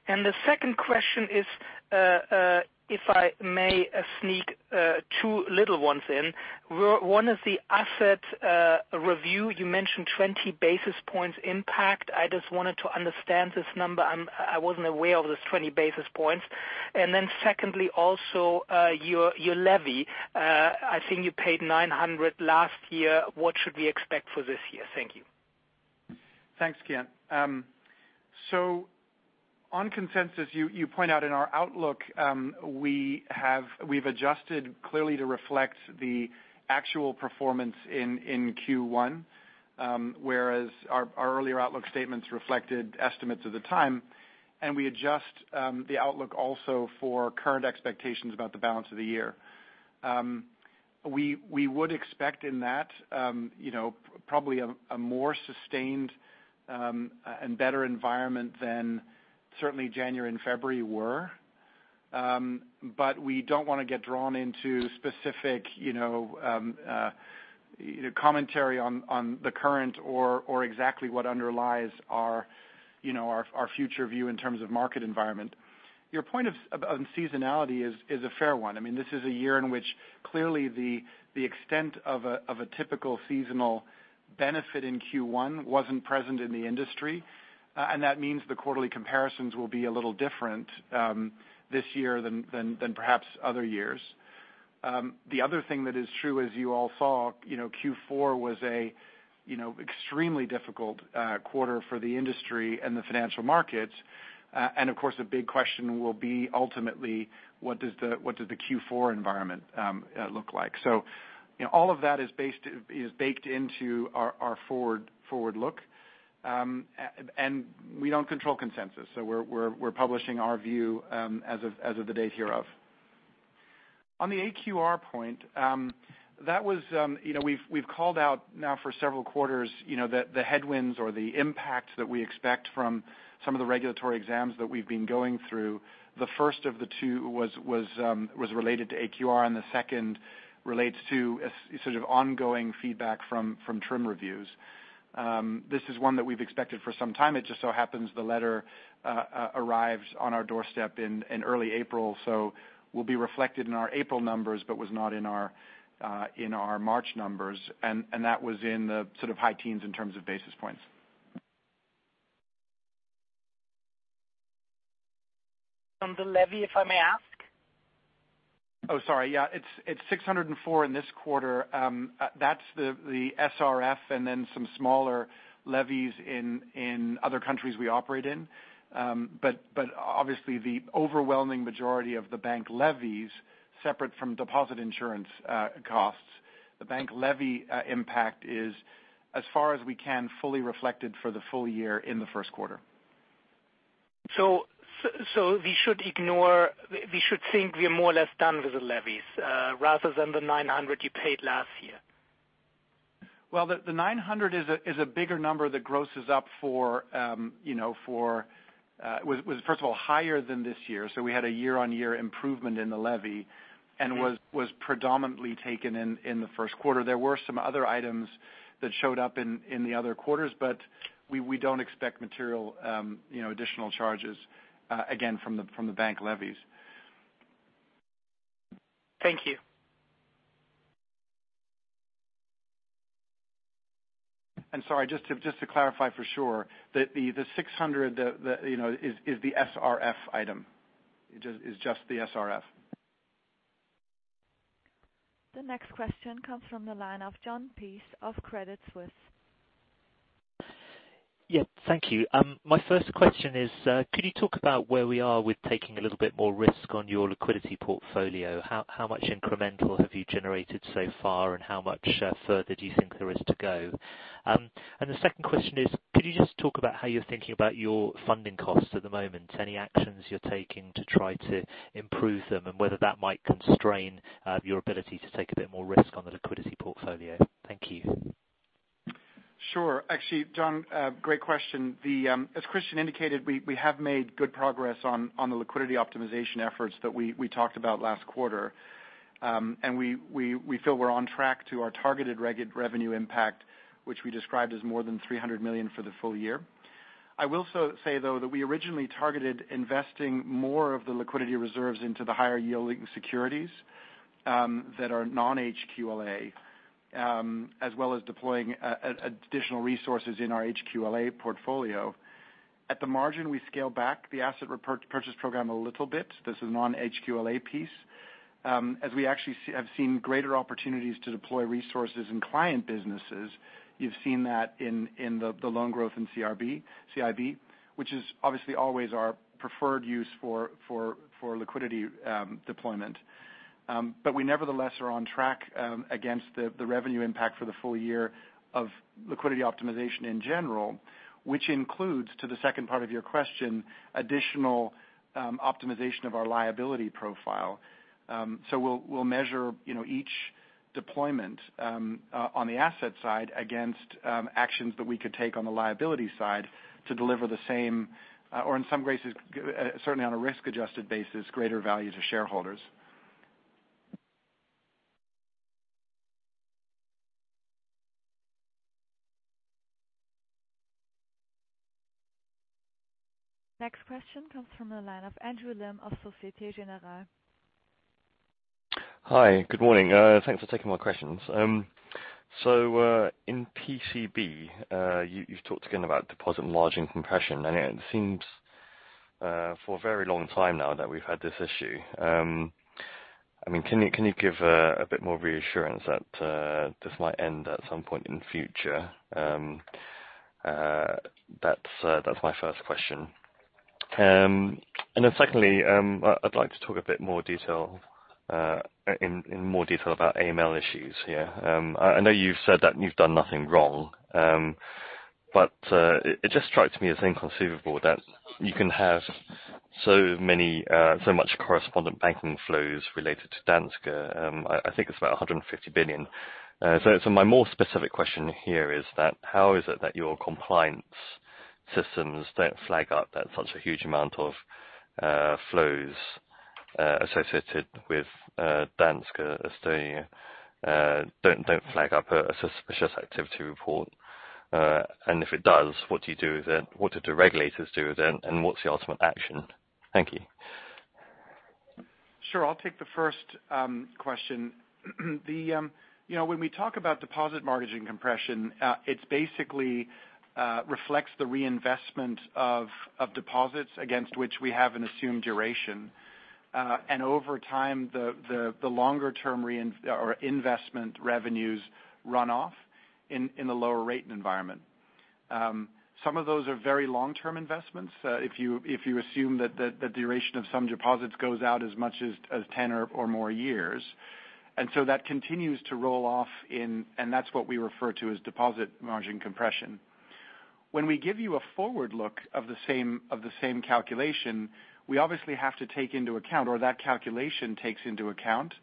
Speaker 7: The second question is, if I may sneak two little ones in. One is the asset review. You mentioned 20 basis points impact. I just wanted to understand this number. I wasn't aware of this 20 basis points. Secondly, also, your levy. I think you paid 900 last year. What should we expect for this year? Thank you.
Speaker 3: Thanks, Kian. On consensus, you point out in our outlook, we've adjusted clearly to reflect the actual performance in Q1, whereas our earlier outlook statements reflected estimates at the time, and we adjust the outlook also for current expectations about the balance of the year. We would expect in that probably a more sustained and better environment than certainly January and February were. We don't want to get drawn into specific commentary on the current or exactly what underlies our future view in terms of market environment. Your point on seasonality is a fair one. This is a year in which clearly the extent of a typical seasonal benefit in Q1 wasn't present in the industry. That means the quarterly comparisons will be a little different this year than perhaps other years. The other thing that is true, as you all saw, Q4 was an extremely difficult quarter for the industry and the financial markets. Of course, a big question will be ultimately, what does the Q4 environment look like? All of that is baked into our forward look. We don't control consensus, so we're publishing our view as of the date hereof. On the AQR point, we've called out now for several quarters, the headwinds or the impact that we expect from some of the regulatory exams that we've been going through. The first of the two was related to AQR, and the second relates to sort of ongoing feedback from TRIM reviews. This is one that we've expected for some time. It just so happens the letter arrives on our doorstep in early April, so will be reflected in our April numbers, but was not in our March numbers. That was in the sort of high teens in terms of basis points.
Speaker 7: On the levy, if I may ask?
Speaker 3: Sorry. It's 604 million in this quarter. That's the SRF and then some smaller levies in other countries we operate in. Obviously the overwhelming majority of the bank levies, separate from deposit insurance costs, the bank levy impact is as far as we can, fully reflected for the full year in the first quarter.
Speaker 7: We should think we are more or less done with the levies, rather than the 900 you paid last year.
Speaker 3: The 900 is a bigger number that grosses up for was, first of all, higher than this year, we had a year-on-year improvement in the levy, and was predominantly taken in the first quarter. There were some other items that showed up in the other quarters, we don't expect material additional charges again from the bank levies.
Speaker 7: Thank you.
Speaker 3: Sorry, just to clarify for sure, the 600 is the SRF item. Is just the SRF.
Speaker 4: The next question comes from the line of Jon Peace of Credit Suisse.
Speaker 8: Yeah. Thank you. My first question is, could you talk about where we are with taking a little bit more risk on your liquidity portfolio? How much incremental have you generated so far, and how much further do you think there is to go? The second question is, could you just talk about how you're thinking about your funding costs at the moment? Any actions you're taking to try to improve them, and whether that might constrain your ability to take a bit more risk on the liquidity portfolio? Thank you.
Speaker 3: Sure. Actually, Jon, great question. As Christian indicated, we have made good progress on the liquidity optimization efforts that we talked about last quarter. We feel we're on track to our targeted revenue impact, which we described as more than 300 million for the full year. I will say, though, that we originally targeted investing more of the liquidity reserves into the higher yielding securities that are non-HQLA, as well as deploying additional resources in our HQLA portfolio. At the margin, we scaled back the asset purchase program a little bit. This is non-HQLA piece. As we actually have seen greater opportunities to deploy resources in client businesses, you've seen that in the loan growth in CIB, which is obviously always our preferred use for liquidity deployment. We nevertheless are on track against the revenue impact for the full year of liquidity optimization in general, which includes, to the second part of your question, additional optimization of our liability profile. We'll measure each deployment on the asset side against actions that we could take on the liability side to deliver the same, or in some cases, certainly on a risk-adjusted basis, greater value to shareholders.
Speaker 4: Next question comes from the line of Andrew Lim of Societe Generale.
Speaker 9: Hi. Good morning. Thanks for taking my questions. In PCB, you've talked again about deposit margin compression, and it seems for a very long time now that we've had this issue. Can you give a bit more reassurance that this might end at some point in the future? That's my first question. Then secondly, I'd like to talk in more detail about AML issues here. I know you've said that you've done nothing wrong. It just strikes me as inconceivable that you can have so much correspondent banking flows related to Danske. I think it's about 150 billion. My more specific question here is that how is it that your compliance systems don't flag up that such a huge amount of flows associated with Danske don't flag up a suspicious activity report? And if it does, what do you do then? What do the regulators do? What's the ultimate action? Thank you.
Speaker 3: Sure. I'll take the first question. When we talk about deposit margin compression, it basically reflects the reinvestment of deposits against which we have an assumed duration. Over time, the longer-term investment revenues run off in the lower rate environment. Some of those are very long-term investments, if you assume that the duration of some deposits goes out as much as 10 or more years. That continues to roll off, and that's what we refer to as deposit margin compression. When we give you a forward look of the same calculation, we obviously have to take into account, or that calculation takes into account,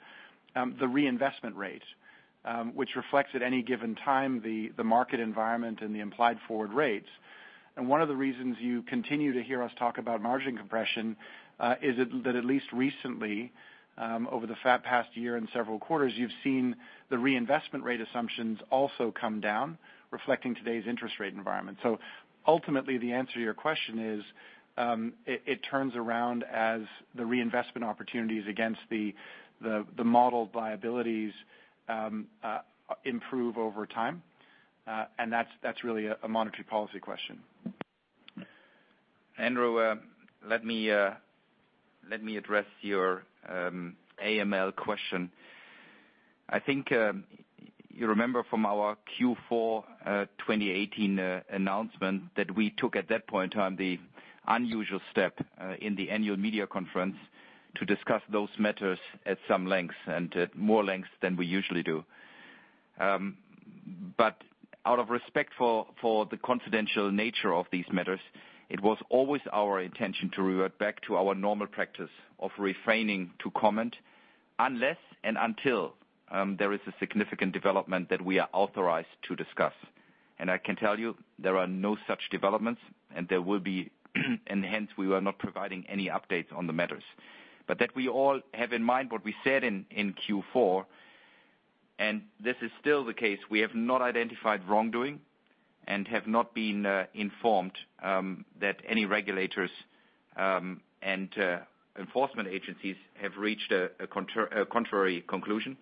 Speaker 3: the reinvestment rate, which reflects at any given time the market environment and the implied forward rates. One of the reasons you continue to hear us talk about margin compression is that at least recently, over the past year and several quarters, you've seen the reinvestment rate assumptions also come down, reflecting today's interest rate environment. Ultimately, the answer to your question is, it turns around as the reinvestment opportunity is against the modeled liabilities improve over time. That's really a monetary policy question.
Speaker 2: Andrew, let me address your AML question. I think you remember from our Q4 2018 announcement that we took at that point in time the unusual step in the annual media conference to discuss those matters at some length, and at more length than we usually do. Out of respect for the confidential nature of these matters, it was always our intention to revert back to our normal practice of refraining to comment unless and until there is a significant development that we are authorized to discuss. I can tell you there are no such developments, and there will be and hence we are not providing any updates on the matters. That we all have in mind what we said in Q4, and this is still the case. We have not identified wrongdoing and have not been informed that any regulators and enforcement agencies have reached a contrary conclusion.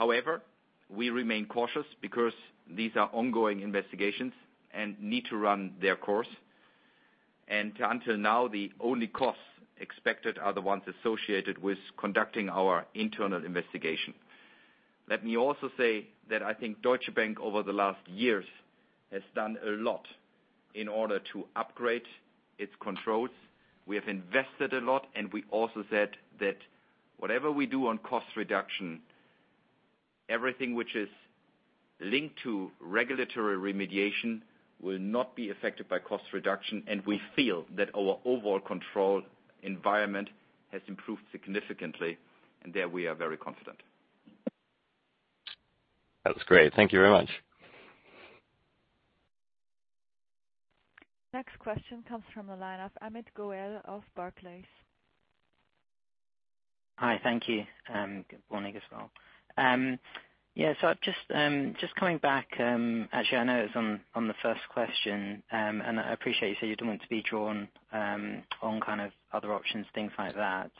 Speaker 2: However, we remain cautious because these are ongoing investigations and need to run their course. Until now, the only costs expected are the ones associated with conducting our internal investigation. Let me also say that I think Deutsche Bank over the last years has done a lot in order to upgrade its controls. We have invested a lot, and we also said that whatever we do on cost reduction, everything which is linked to regulatory remediation will not be affected by cost reduction, and we feel that our overall control environment has improved significantly, and there we are very confident.
Speaker 9: That was great. Thank you very much.
Speaker 4: Next question comes from the line of Amit Goel of Barclays.
Speaker 10: Hi. Thank you. Good morning as well. Just coming back, actually, I know it was on the first question, and I appreciate you said you don't want to be drawn on kind of other options, things like that.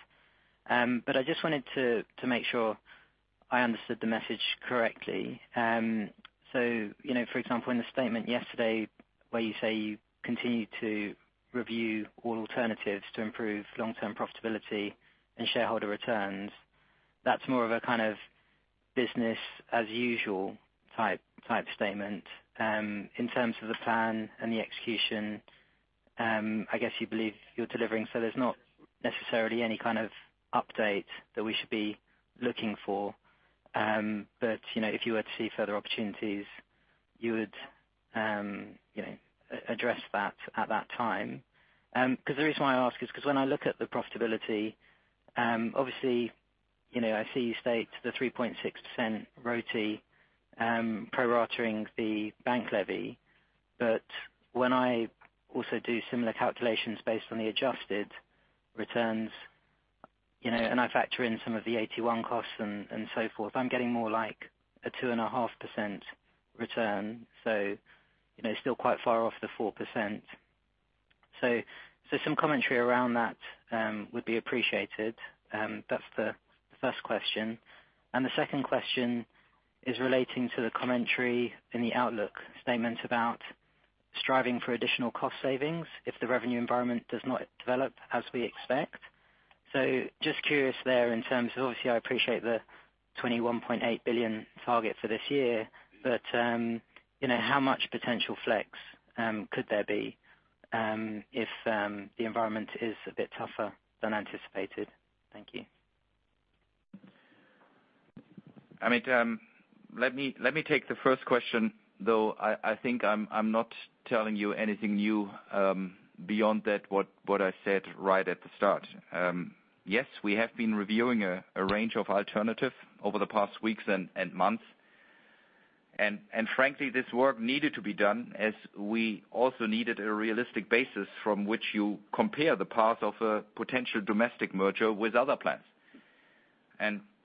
Speaker 10: I just wanted to make sure I understood the message correctly. For example, in the statement yesterday where you say you continue to review all alternatives to improve long-term profitability and shareholder returns, that's more of a kind of business as usual type statement. In terms of the plan and the execution, I guess you believe you're delivering, so there's not necessarily any kind of update that we should be looking for. If you were to see further opportunities, you would address that at that time. The reason why I ask is because when I look at the profitability, obviously, I see you state the 3.6% ROTE, pro-rating the bank levy. When I also do similar calculations based on the adjusted returns, and I factor in some of the AT1 costs and so forth, I'm getting more like a 2.5% return. It's still quite far off the 4%. Some commentary around that would be appreciated. That's the first question. The second question is relating to the commentary in the outlook statement about striving for additional cost savings if the revenue environment does not develop as we expect. Just curious there in terms of, obviously, I appreciate the 21.8 billion target for this year, but how much potential flex could there be if the environment is a bit tougher than anticipated? Thank you.
Speaker 2: Amit, let me take the first question, though I think I'm not telling you anything new beyond that what I said right at the start. Yes, we have been reviewing a range of alternatives over the past weeks and months. Frankly, this work needed to be done as we also needed a realistic basis from which you compare the path of a potential domestic merger with other plans.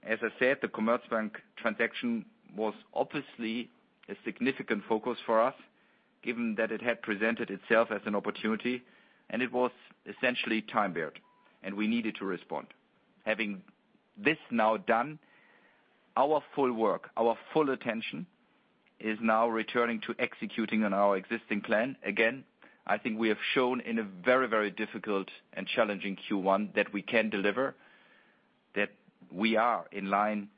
Speaker 2: As I said, the Commerzbank transaction was obviously a significant focus for us. Given that it had presented itself as an opportunity, and it was essentially time-barred, and we needed to respond. Having this now done, our full work, our full attention is now returning to executing on our existing plan. Again, I think we have shown in a very difficult and challenging Q1 that we can deliver, that we are in line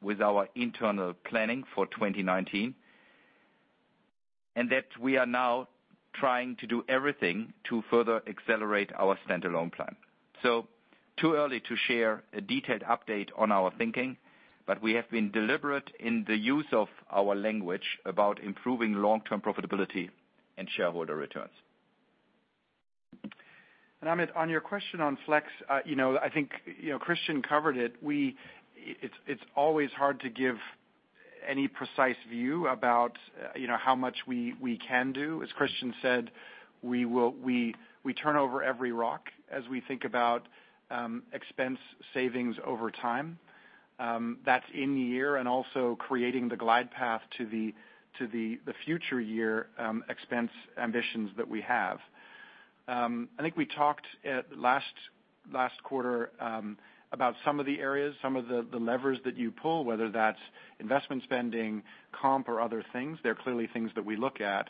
Speaker 2: with our internal planning for 2019, and that we are now trying to do everything to further accelerate our standalone plan. Too early to share a detailed update on our thinking, but we have been deliberate in the use of our language about improving long-term profitability and shareholder returns.
Speaker 3: Amit, on your question on flex, I think Christian covered it. It's always hard to give any precise view about how much we can do. As Christian said, we turn over every rock as we think about expense savings over time. That's in the year, and also creating the glide path to the future year expense ambitions that we have. We talked last quarter about some of the areas, some of the levers that you pull, whether that's investment spending, comp, or other things. They're clearly things that we look at.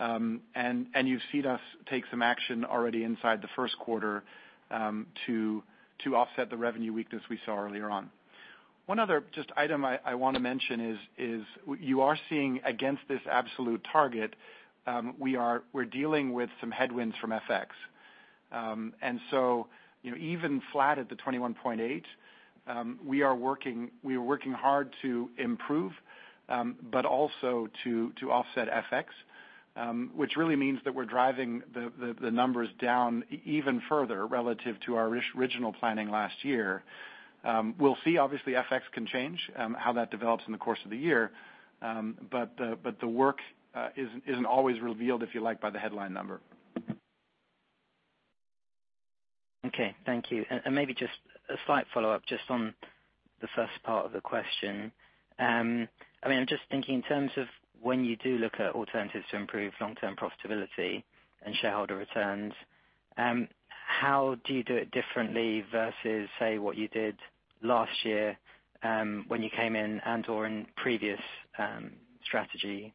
Speaker 3: You've seen us take some action already inside the first quarter to offset the revenue weakness we saw earlier on. One other just item I want to mention is you are seeing against this absolute target, we're dealing with some headwinds from FX. Even flat at the 21.8 billion, we are working hard to improve, but also to offset FX, which really means that we're driving the numbers down even further relative to our original planning last year. We'll see. Obviously, FX can change, how that develops in the course of the year. The work isn't always revealed, if you like, by the headline number.
Speaker 10: Okay. Thank you. Maybe just a slight follow-up just on the first part of the question. I'm just thinking in terms of when you do look at alternatives to improve long-term profitability and shareholder returns, how do you do it differently versus, say, what you did last year when you came in and/or in previous strategy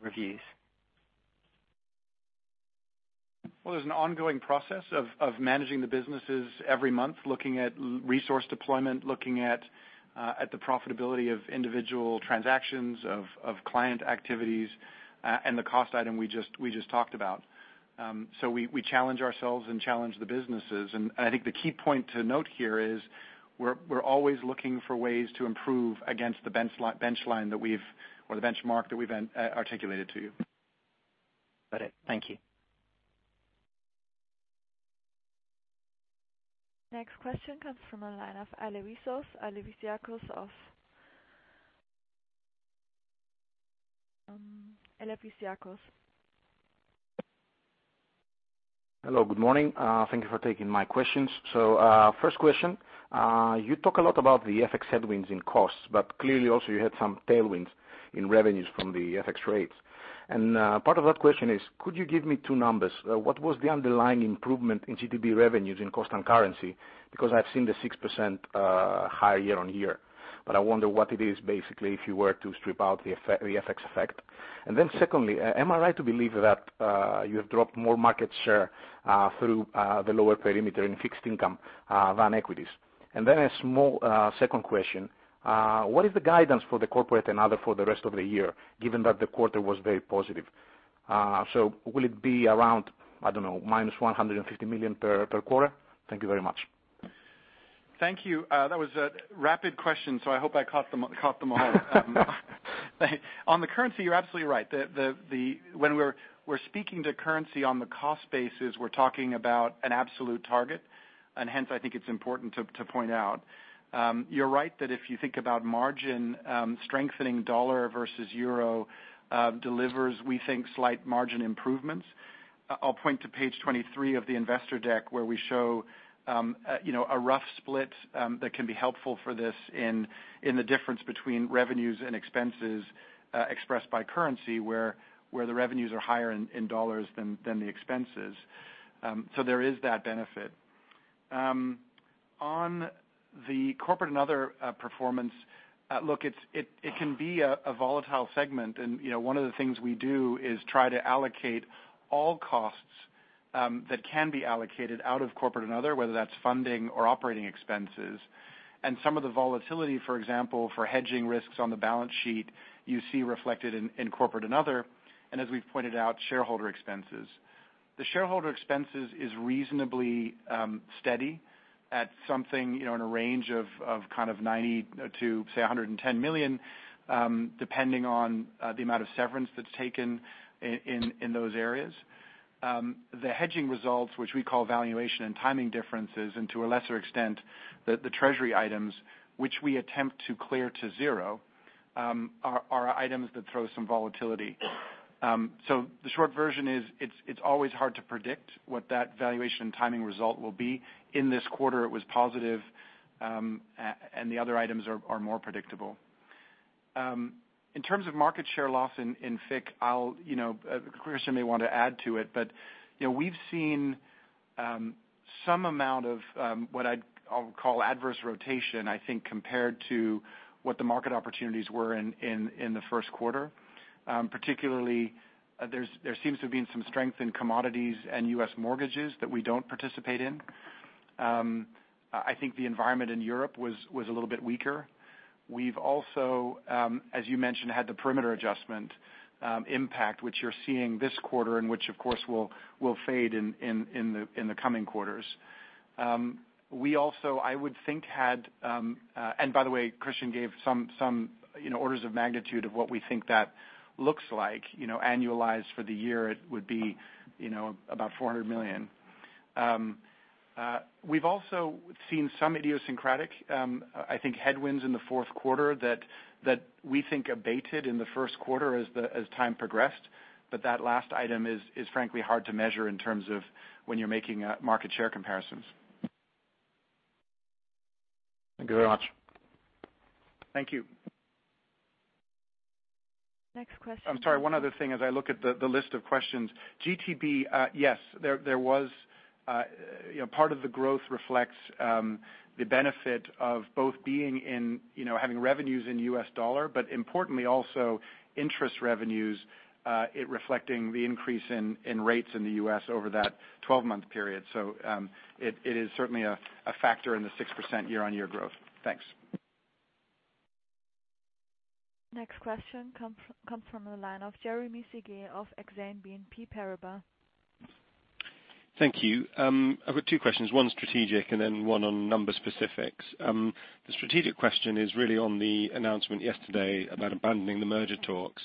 Speaker 10: reviews?
Speaker 3: Well, there's an ongoing process of managing the businesses every month, looking at resource deployment, looking at the profitability of individual transactions of client activities, and the cost item we just talked about. We challenge ourselves and challenge the businesses. I think the key point to note here is we're always looking for ways to improve against the benchmark that we've articulated to you.
Speaker 10: Got it. Thank you.
Speaker 4: Next question comes from the line of Alevizos Alevizakos of Alevizakos
Speaker 11: Hello, good morning. Thank you for taking my questions. First question, you talk a lot about the FX headwinds in costs, but clearly also you had some tailwinds in revenues from the FX rates. Part of that question is, could you give me two numbers? What was the underlying improvement in GTB revenues in cost and currency? Because I've seen the 6% higher year-on-year, but I wonder what it is basically, if you were to strip out the FX effect. Then secondly, am I right to believe that you have dropped more market share through the lower perimeter in fixed income than equities? Then a small second question. What is the guidance for the corporate and other for the rest of the year, given that the quarter was very positive? Will it be around, I don't know, -150 million per quarter? Thank you very much.
Speaker 3: Thank you. That was a rapid question, so I hope I caught them all. On the currency, you're absolutely right. When we're speaking to currency on the cost basis, we're talking about an absolute target, and hence I think it's important to point out. You're right that if you think about margin strengthening dollar versus euro delivers, we think, slight margin improvements. I'll point to page 23 of the investor deck where we show a rough split that can be helpful for this in the difference between revenues and expenses expressed by currency, where the revenues are higher in dollars than the expenses. There is that benefit. On the corporate and other performance, look, it can be a volatile segment, and one of the things we do is try to allocate all costs that can be allocated out of corporate and other, whether that's funding or operating expenses. Some of the volatility, for example, for hedging risks on the balance sheet, you see reflected in corporate and other, and as we've pointed out, shareholder expenses. The shareholder expenses is reasonably steady at something in a range of 90 million-110 million, depending on the amount of severance that's taken in those areas. The hedging results, which we call valuation and timing differences, and to a lesser extent, the treasury items, which we attempt to clear to zero, are items that throw some volatility. The short version is it's always hard to predict what that valuation timing result will be. In this quarter, it was positive. The other items are more predictable. In terms of market share loss in FIC, Christian may want to add to it. We've seen some amount of what I'll call adverse rotation, I think, compared to what the market opportunities were in the first quarter. Particularly, there seems to have been some strength in commodities and U.S. mortgages that we don't participate in. I think the environment in Europe was a little bit weaker. We've also, as you mentioned, had the perimeter adjustment impact, which you're seeing this quarter, and which, of course, will fade in the coming quarters. We also, I would think. Christian gave some orders of magnitude of what we think that looks like. Annualized for the year, it would be about 400 million. We've also seen some idiosyncratic, I think, headwinds in the fourth quarter that we think abated in the first quarter as time progressed. That last item is frankly hard to measure in terms of when you're making market share comparisons.
Speaker 11: Thank you very much.
Speaker 3: Thank you.
Speaker 4: Next question.
Speaker 3: I'm sorry, one other thing as I look at the list of questions. GTB, yes. Part of the growth reflects the benefit of both having revenues in U.S. dollar, but importantly also interest revenues reflecting the increase in rates in the U.S. over that 12-month period. It is certainly a factor in the 6% year-on-year growth. Thanks.
Speaker 4: Next question comes from the line of Jeremy Sigee of Exane BNP Paribas.
Speaker 12: Thank you. I've got two questions, one strategic and then one on number specifics. The strategic question is really on the announcement yesterday about abandoning the merger talks.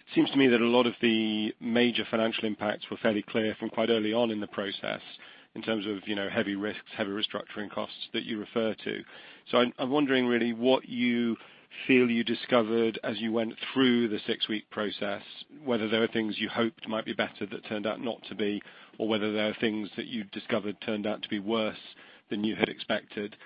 Speaker 12: It seems to me that a lot of the major financial impacts were fairly clear from quite early on in the process in terms of heavy risks, heavy restructuring costs that you refer to. I'm wondering really what you feel you discovered as you went through the six-week process, whether there are things you hoped might be better that turned out not to be, or whether there are things that you discovered turned out to be worse than you had expected.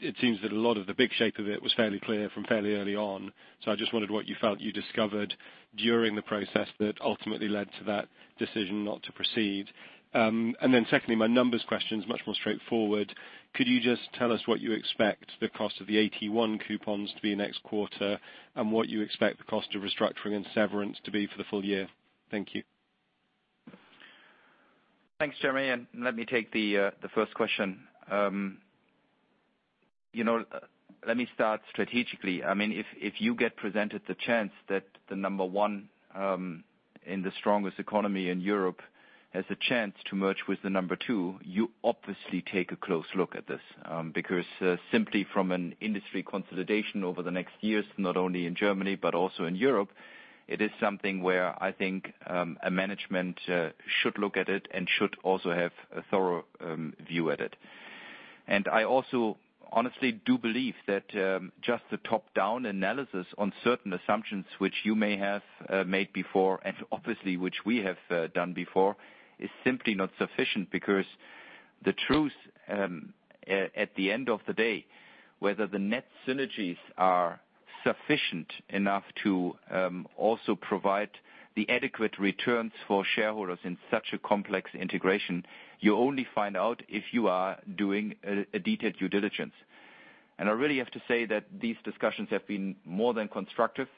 Speaker 12: It seems that a lot of the big shape of it was fairly clear from fairly early on. I just wondered what you felt you discovered during the process that ultimately led to that decision not to proceed. Secondly, my numbers question is much more straightforward. Could you just tell us what you expect the cost of the AT1 coupons to be next quarter, and what you expect the cost of restructuring and severance to be for the full year? Thank you.
Speaker 2: Thanks, Jeremy. Let me take the first question. Let me start strategically. If you get presented the chance that the number one in the strongest economy in Europe has a chance to merge with the number two, you obviously take a close look at this. Simply from an industry consolidation over the next years, not only in Germany but also in Europe, it is something where I think a management should look at it and should also have a thorough view at it. I also honestly do believe that just the top-down analysis on certain assumptions which you may have made before and obviously, which we have done before, is simply not sufficient because the truth at the end of the day, whether the net synergies are sufficient enough to also provide the adequate returns for shareholders in such a complex integration, you only find out if you are doing a detailed due diligence. I really have to say that these discussions have been more than constructive.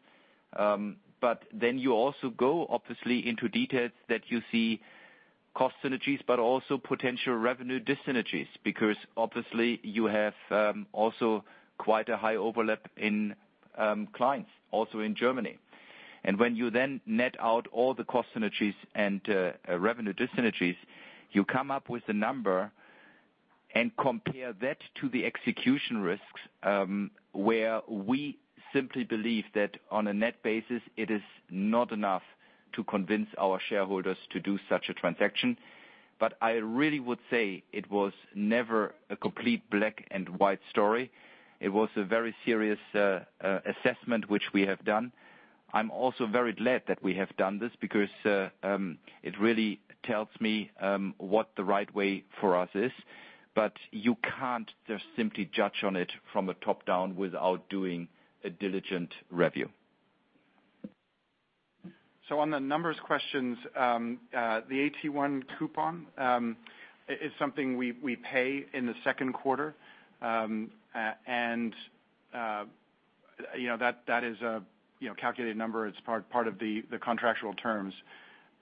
Speaker 2: You also go obviously into details that you see cost synergies, but also potential revenue dis-synergies, because obviously you have also quite a high overlap in clients, also in Germany. When you then net out all the cost synergies and revenue dis-synergies, you come up with a number and compare that to the execution risks, where we simply believe that on a net basis, it is not enough to convince our shareholders to do such a transaction. I really would say it was never a complete black and white story. It was a very serious assessment, which we have done. I'm also very glad that we have done this because it really tells me what the right way for us is. You can't just simply judge on it from a top-down without doing a diligent review.
Speaker 3: On the numbers questions, the AT1 coupon is something we pay in the second quarter. That is a calculated number. It's part of the contractual terms.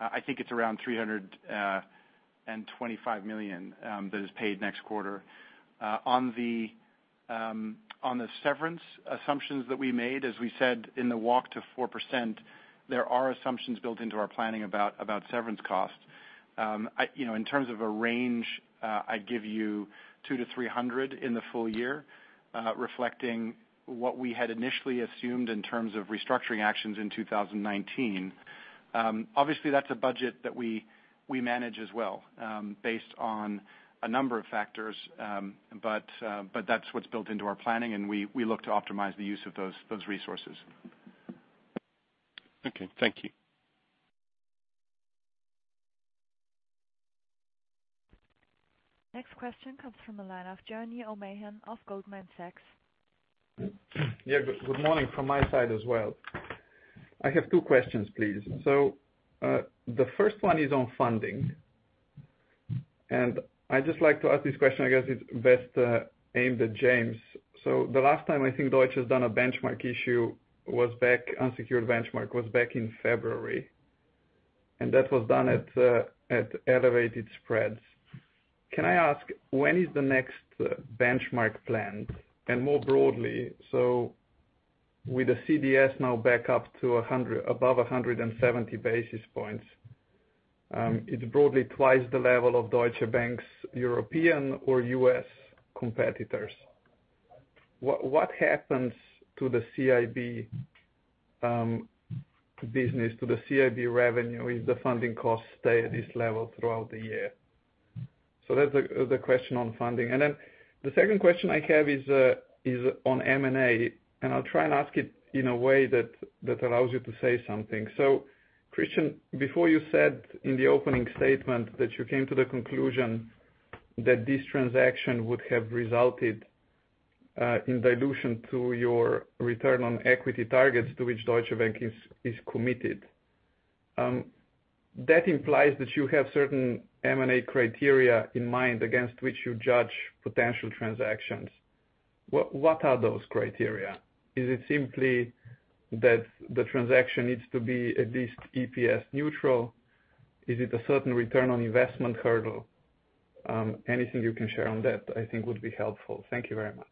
Speaker 3: I think it's around 325 million that is paid next quarter. On the severance assumptions that we made, as we said in the walk to 4%, there are assumptions built into our planning about severance costs. In terms of a range, I'd give you 200 million-300 million in the full year, reflecting what we had initially assumed in terms of restructuring actions in 2019. Obviously, that's a budget that we manage as well based on a number of factors but that's what's built into our planning, and we look to optimize the use of those resources.
Speaker 12: Okay. Thank you.
Speaker 4: Next question comes from the line of Jernej Omahen of Goldman Sachs.
Speaker 13: Yeah. Good morning from my side as well. I have two questions, please. The first one is on funding, and I'd just like to ask this question, I guess it's best aimed at James. The last time I think Deutsche has done a benchmark issue, unsecured benchmark, was back in February, and that was done at elevated spreads. Can I ask, when is the next benchmark planned? More broadly, with the CDS now back up to above 170 basis points, it's broadly twice the level of Deutsche Bank's European or U.S. competitors. What happens to the CIB business, to the CIB revenue if the funding costs stay at this level throughout the year? That's the question on funding. The second question I have is on M&A, and I'll try and ask it in a way that allows you to say something. Christian, before you said in the opening statement that you came to the conclusion that this transaction would have resulted in dilution to your return on equity targets to which Deutsche Bank is committed. That implies that you have certain M&A criteria in mind against which you judge potential transactions. What are those criteria? Is it simply that the transaction needs to be at least EPS neutral? Is it a certain return on investment hurdle? Anything you can share on that I think would be helpful. Thank you very much.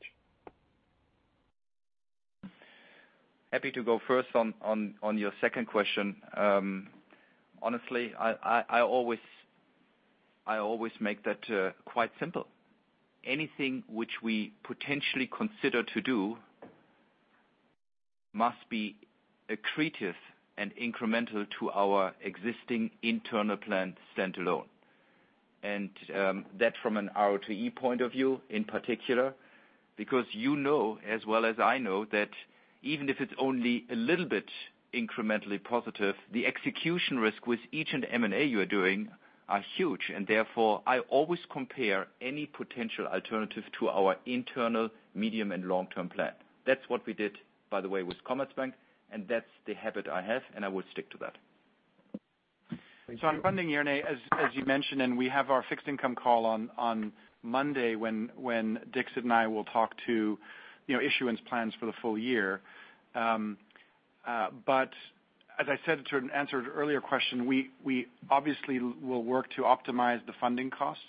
Speaker 2: Happy to go first on your second question. Honestly, I always make that quite simple. Anything which we potentially consider to do must be accretive and incremental to our existing internal plan stand-alone. That from an ROTE point of view in particular, because you know as well as I know that even if it's only a little bit incrementally positive, the execution risk with each M&A you are doing are huge. Therefore, I always compare any potential alternative to our internal medium and long-term plan. That's what we did, by the way, with Commerzbank, that's the habit I have, and I will stick to that.
Speaker 13: Thank you.
Speaker 3: On funding, Jernej, as you mentioned, we have our fixed income call on Monday when Dixit and I will talk to issuance plans for the full year. As I said to an answered earlier question, we obviously will work to optimize the funding costs,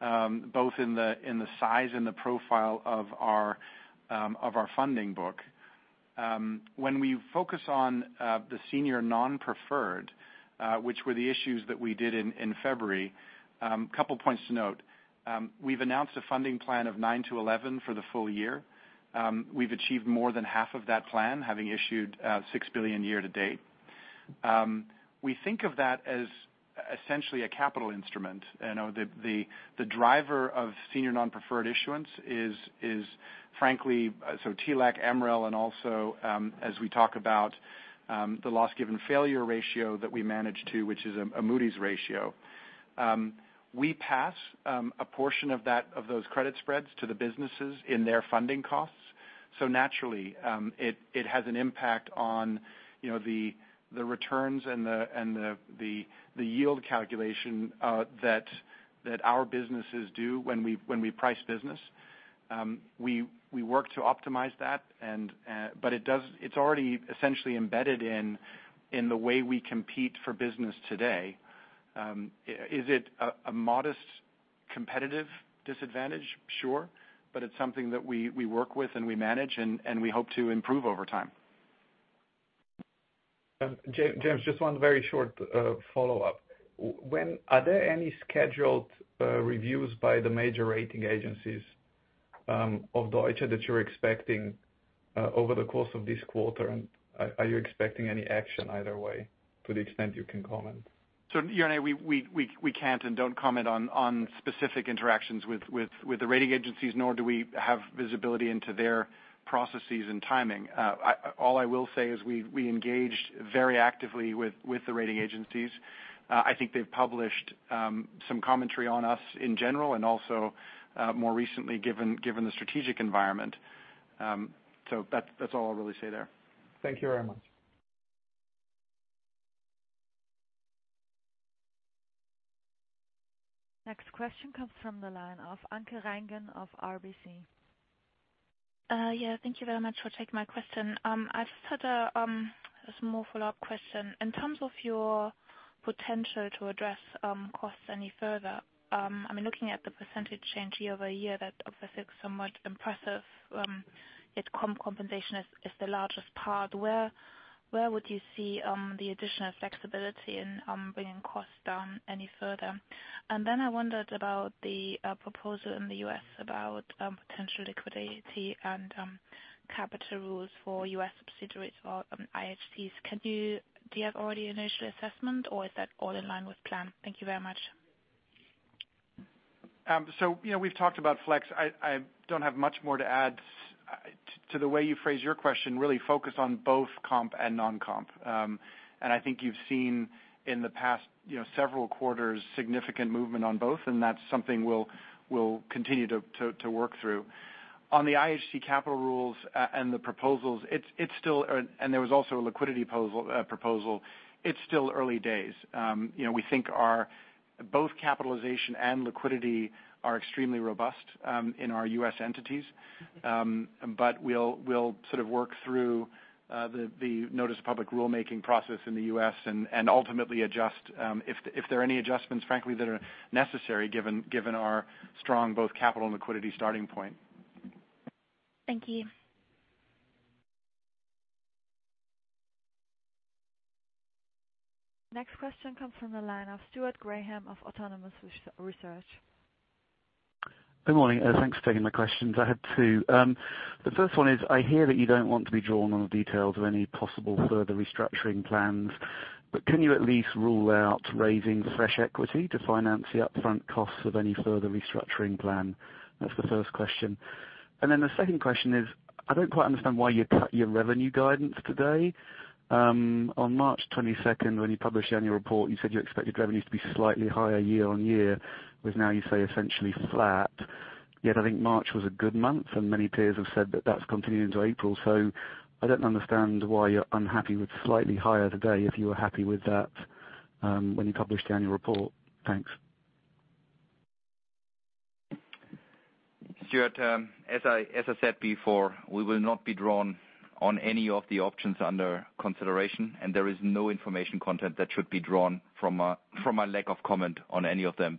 Speaker 3: both in the size and the profile of our funding book. When we focus on the senior non-preferred, which were the issues that we did in February, couple points to note. We've announced a funding plan of 9-11 for the full year. We've achieved more than half of that plan, having issued 6 billion year to date. We think of that as essentially a capital instrument. The driver of senior non-preferred issuance is frankly, TLAC, MREL, and also, as we talk about the Loss Given Failure ratio that we manage to, which is a Moody's ratio. We pass a portion of those credit spreads to the businesses in their funding costs. Naturally, it has an impact on the returns and the yield calculation that our businesses do when we price business. We work to optimize that. It's already essentially embedded in the way we compete for business today. Is it a modest competitive disadvantage? Sure. It's something that we work with and we manage and we hope to improve over time.
Speaker 13: James, just one very short follow-up. Are there any scheduled reviews by the major rating agencies of Deutsche that you're expecting over the course of this quarter, and are you expecting any action either way to the extent you can comment?
Speaker 3: Jernej, we can't and don't comment on specific interactions with the rating agencies, nor do we have visibility into their processes and timing. All I will say is we engaged very actively with the rating agencies. I think they've published some commentary on us in general and also more recently given the strategic environment. That's all I'll really say there.
Speaker 13: Thank you very much.
Speaker 4: Next question comes from the line of Anke Reingen of RBC.
Speaker 14: Thank you very much for taking my question. I just had a small follow-up question. In terms of your potential to address costs any further, I mean, looking at the percentage change year-over-year, that obviously is somewhat impressive. Its compensation is the largest part. Where would you see the additional flexibility in bringing costs down any further? I wondered about the proposal in the U.S. about potential liquidity and capital rules for U.S. subsidiaries or IHCs. Do you have already initial assessment, or is that all in line with plan? Thank you very much.
Speaker 3: We've talked about flex. I don't have much more to add to the way you phrased your question, really focus on both comp and non-comp. I think you've seen in the past several quarters, significant movement on both, and that's something we'll continue to work through. On the IHC capital rules and the proposals, there was also a liquidity proposal. It's still early days. We think both capitalization and liquidity are extremely robust in our U.S. entities. We'll sort of work through the notice of public rulemaking process in the U.S. and ultimately adjust if there are any adjustments, frankly, that are necessary given our strong both capital and liquidity starting point.
Speaker 4: Thank you. Next question comes from the line of Stuart Graham of Autonomous Research.
Speaker 15: Good morning. Thanks for taking my questions. I have two. The first one is, I hear that you don't want to be drawn on the details of any possible further restructuring plans, but can you at least rule out raising fresh equity to finance the upfront costs of any further restructuring plan? That's the first question. Then the second question is, I don't quite understand why you cut your revenue guidance today. On March 22nd, when you published the annual report, you said you expected revenues to be slightly higher year-on-year. Whereas now you say essentially flat. Yet, I think March was a good month, and many peers have said that that's continued into April. I don't understand why you're unhappy with slightly higher today if you were happy with that when you published the annual report. Thanks.
Speaker 2: Stuart, as I said before, we will not be drawn on any of the options under consideration, there is no information content that should be drawn from a lack of comment on any of them.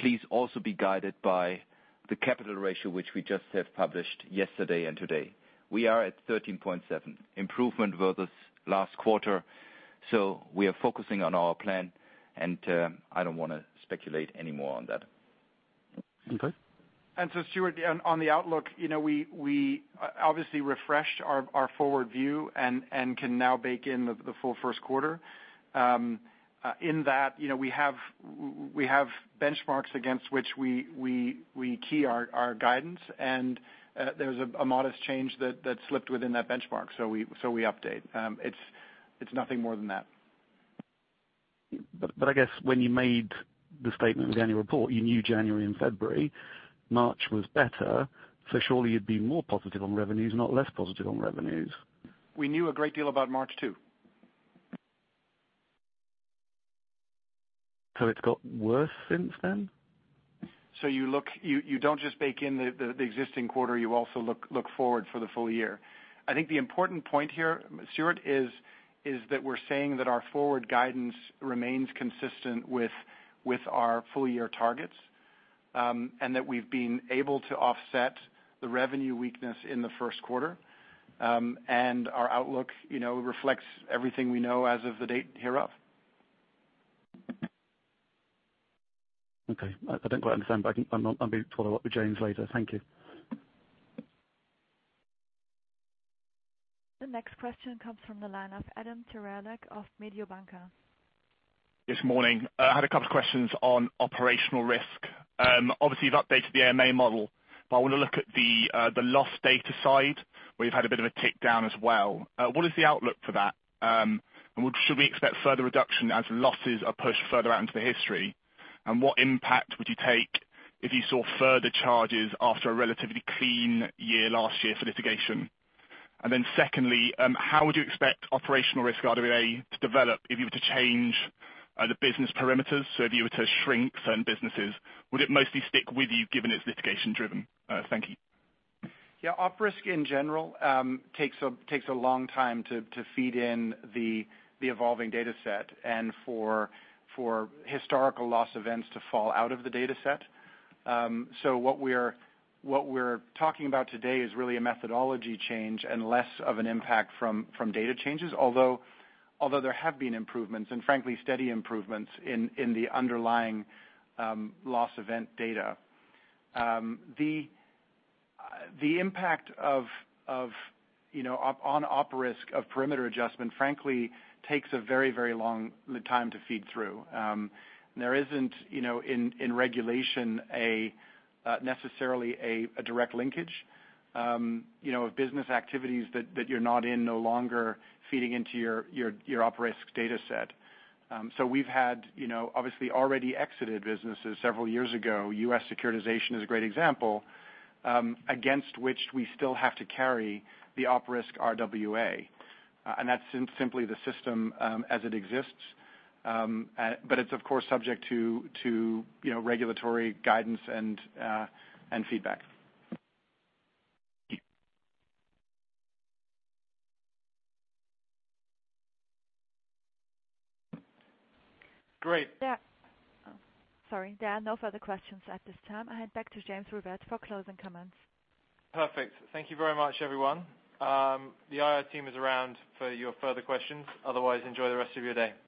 Speaker 2: Please also be guided by the capital ratio, which we just have published yesterday and today. We are at 13.7 improvement versus last quarter. We are focusing on our plan, and I don't want to speculate any more on that.
Speaker 15: Okay.
Speaker 3: Stuart, on the outlook, we obviously refreshed our forward view and can now bake in the full first quarter. In that, we have benchmarks against which we key our guidance, and there's a modest change that slipped within that benchmark, so we update. It's nothing more than that.
Speaker 15: I guess when you made the statement in the annual report, you knew January and February. March was better, surely you'd be more positive on revenues, not less positive on revenues.
Speaker 3: We knew a great deal about March, too.
Speaker 15: It's got worse since then?
Speaker 3: You don't just bake in the existing quarter, you also look forward for the full year. I think the important point here, Stuart, is that we're saying that our forward guidance remains consistent with our full-year targets, that we've been able to offset the revenue weakness in the first quarter. Our outlook reflects everything we know as of the date hereof.
Speaker 15: Okay. I don't quite understand, I'll be talking a lot with James later. Thank you.
Speaker 4: The next question comes from the line of Adam Terelak of Mediobanca.
Speaker 16: Yes, Morning. I had a couple questions on operational risk. Obviously, you've updated the AMA model, I want to look at the loss data side, where you've had a bit of a tick down as well. What is the outlook for that? Should we expect further reduction as losses are pushed further out into the history? What impact would you take if you saw further charges after a relatively clean year last year for litigation? Secondly, how would you expect operational risk RWA to develop if you were to change the business perimeters? If you were to shrink certain businesses, would it mostly stick with you given it's litigation-driven? Thank you.
Speaker 3: Yeah. Op risk in general takes a long time to feed in the evolving data set, and for historical loss events to fall out of the data set. What we're talking about today is really a methodology change and less of an impact from data changes. Although there have been improvements, and frankly, steady improvements in the underlying loss event data. The impact on Op risk of perimeter adjustment, frankly takes a very long time to feed through. There isn't, in regulation, necessarily a direct linkage of business activities that you're not in no longer feeding into your Op risk data set. We've had, obviously, already exited businesses several years ago. U.S. securitization is a great example, against which we still have to carry the Op risk RWA. That's simply the system as it exists. It's of course subject to regulatory guidance and feedback. Great.
Speaker 4: Sorry, there are no further questions at this time. I hand back to James Rivett for closing comments.
Speaker 1: Perfect. Thank you very much, everyone. The IR team is around for your further questions. Otherwise, enjoy the rest of your day.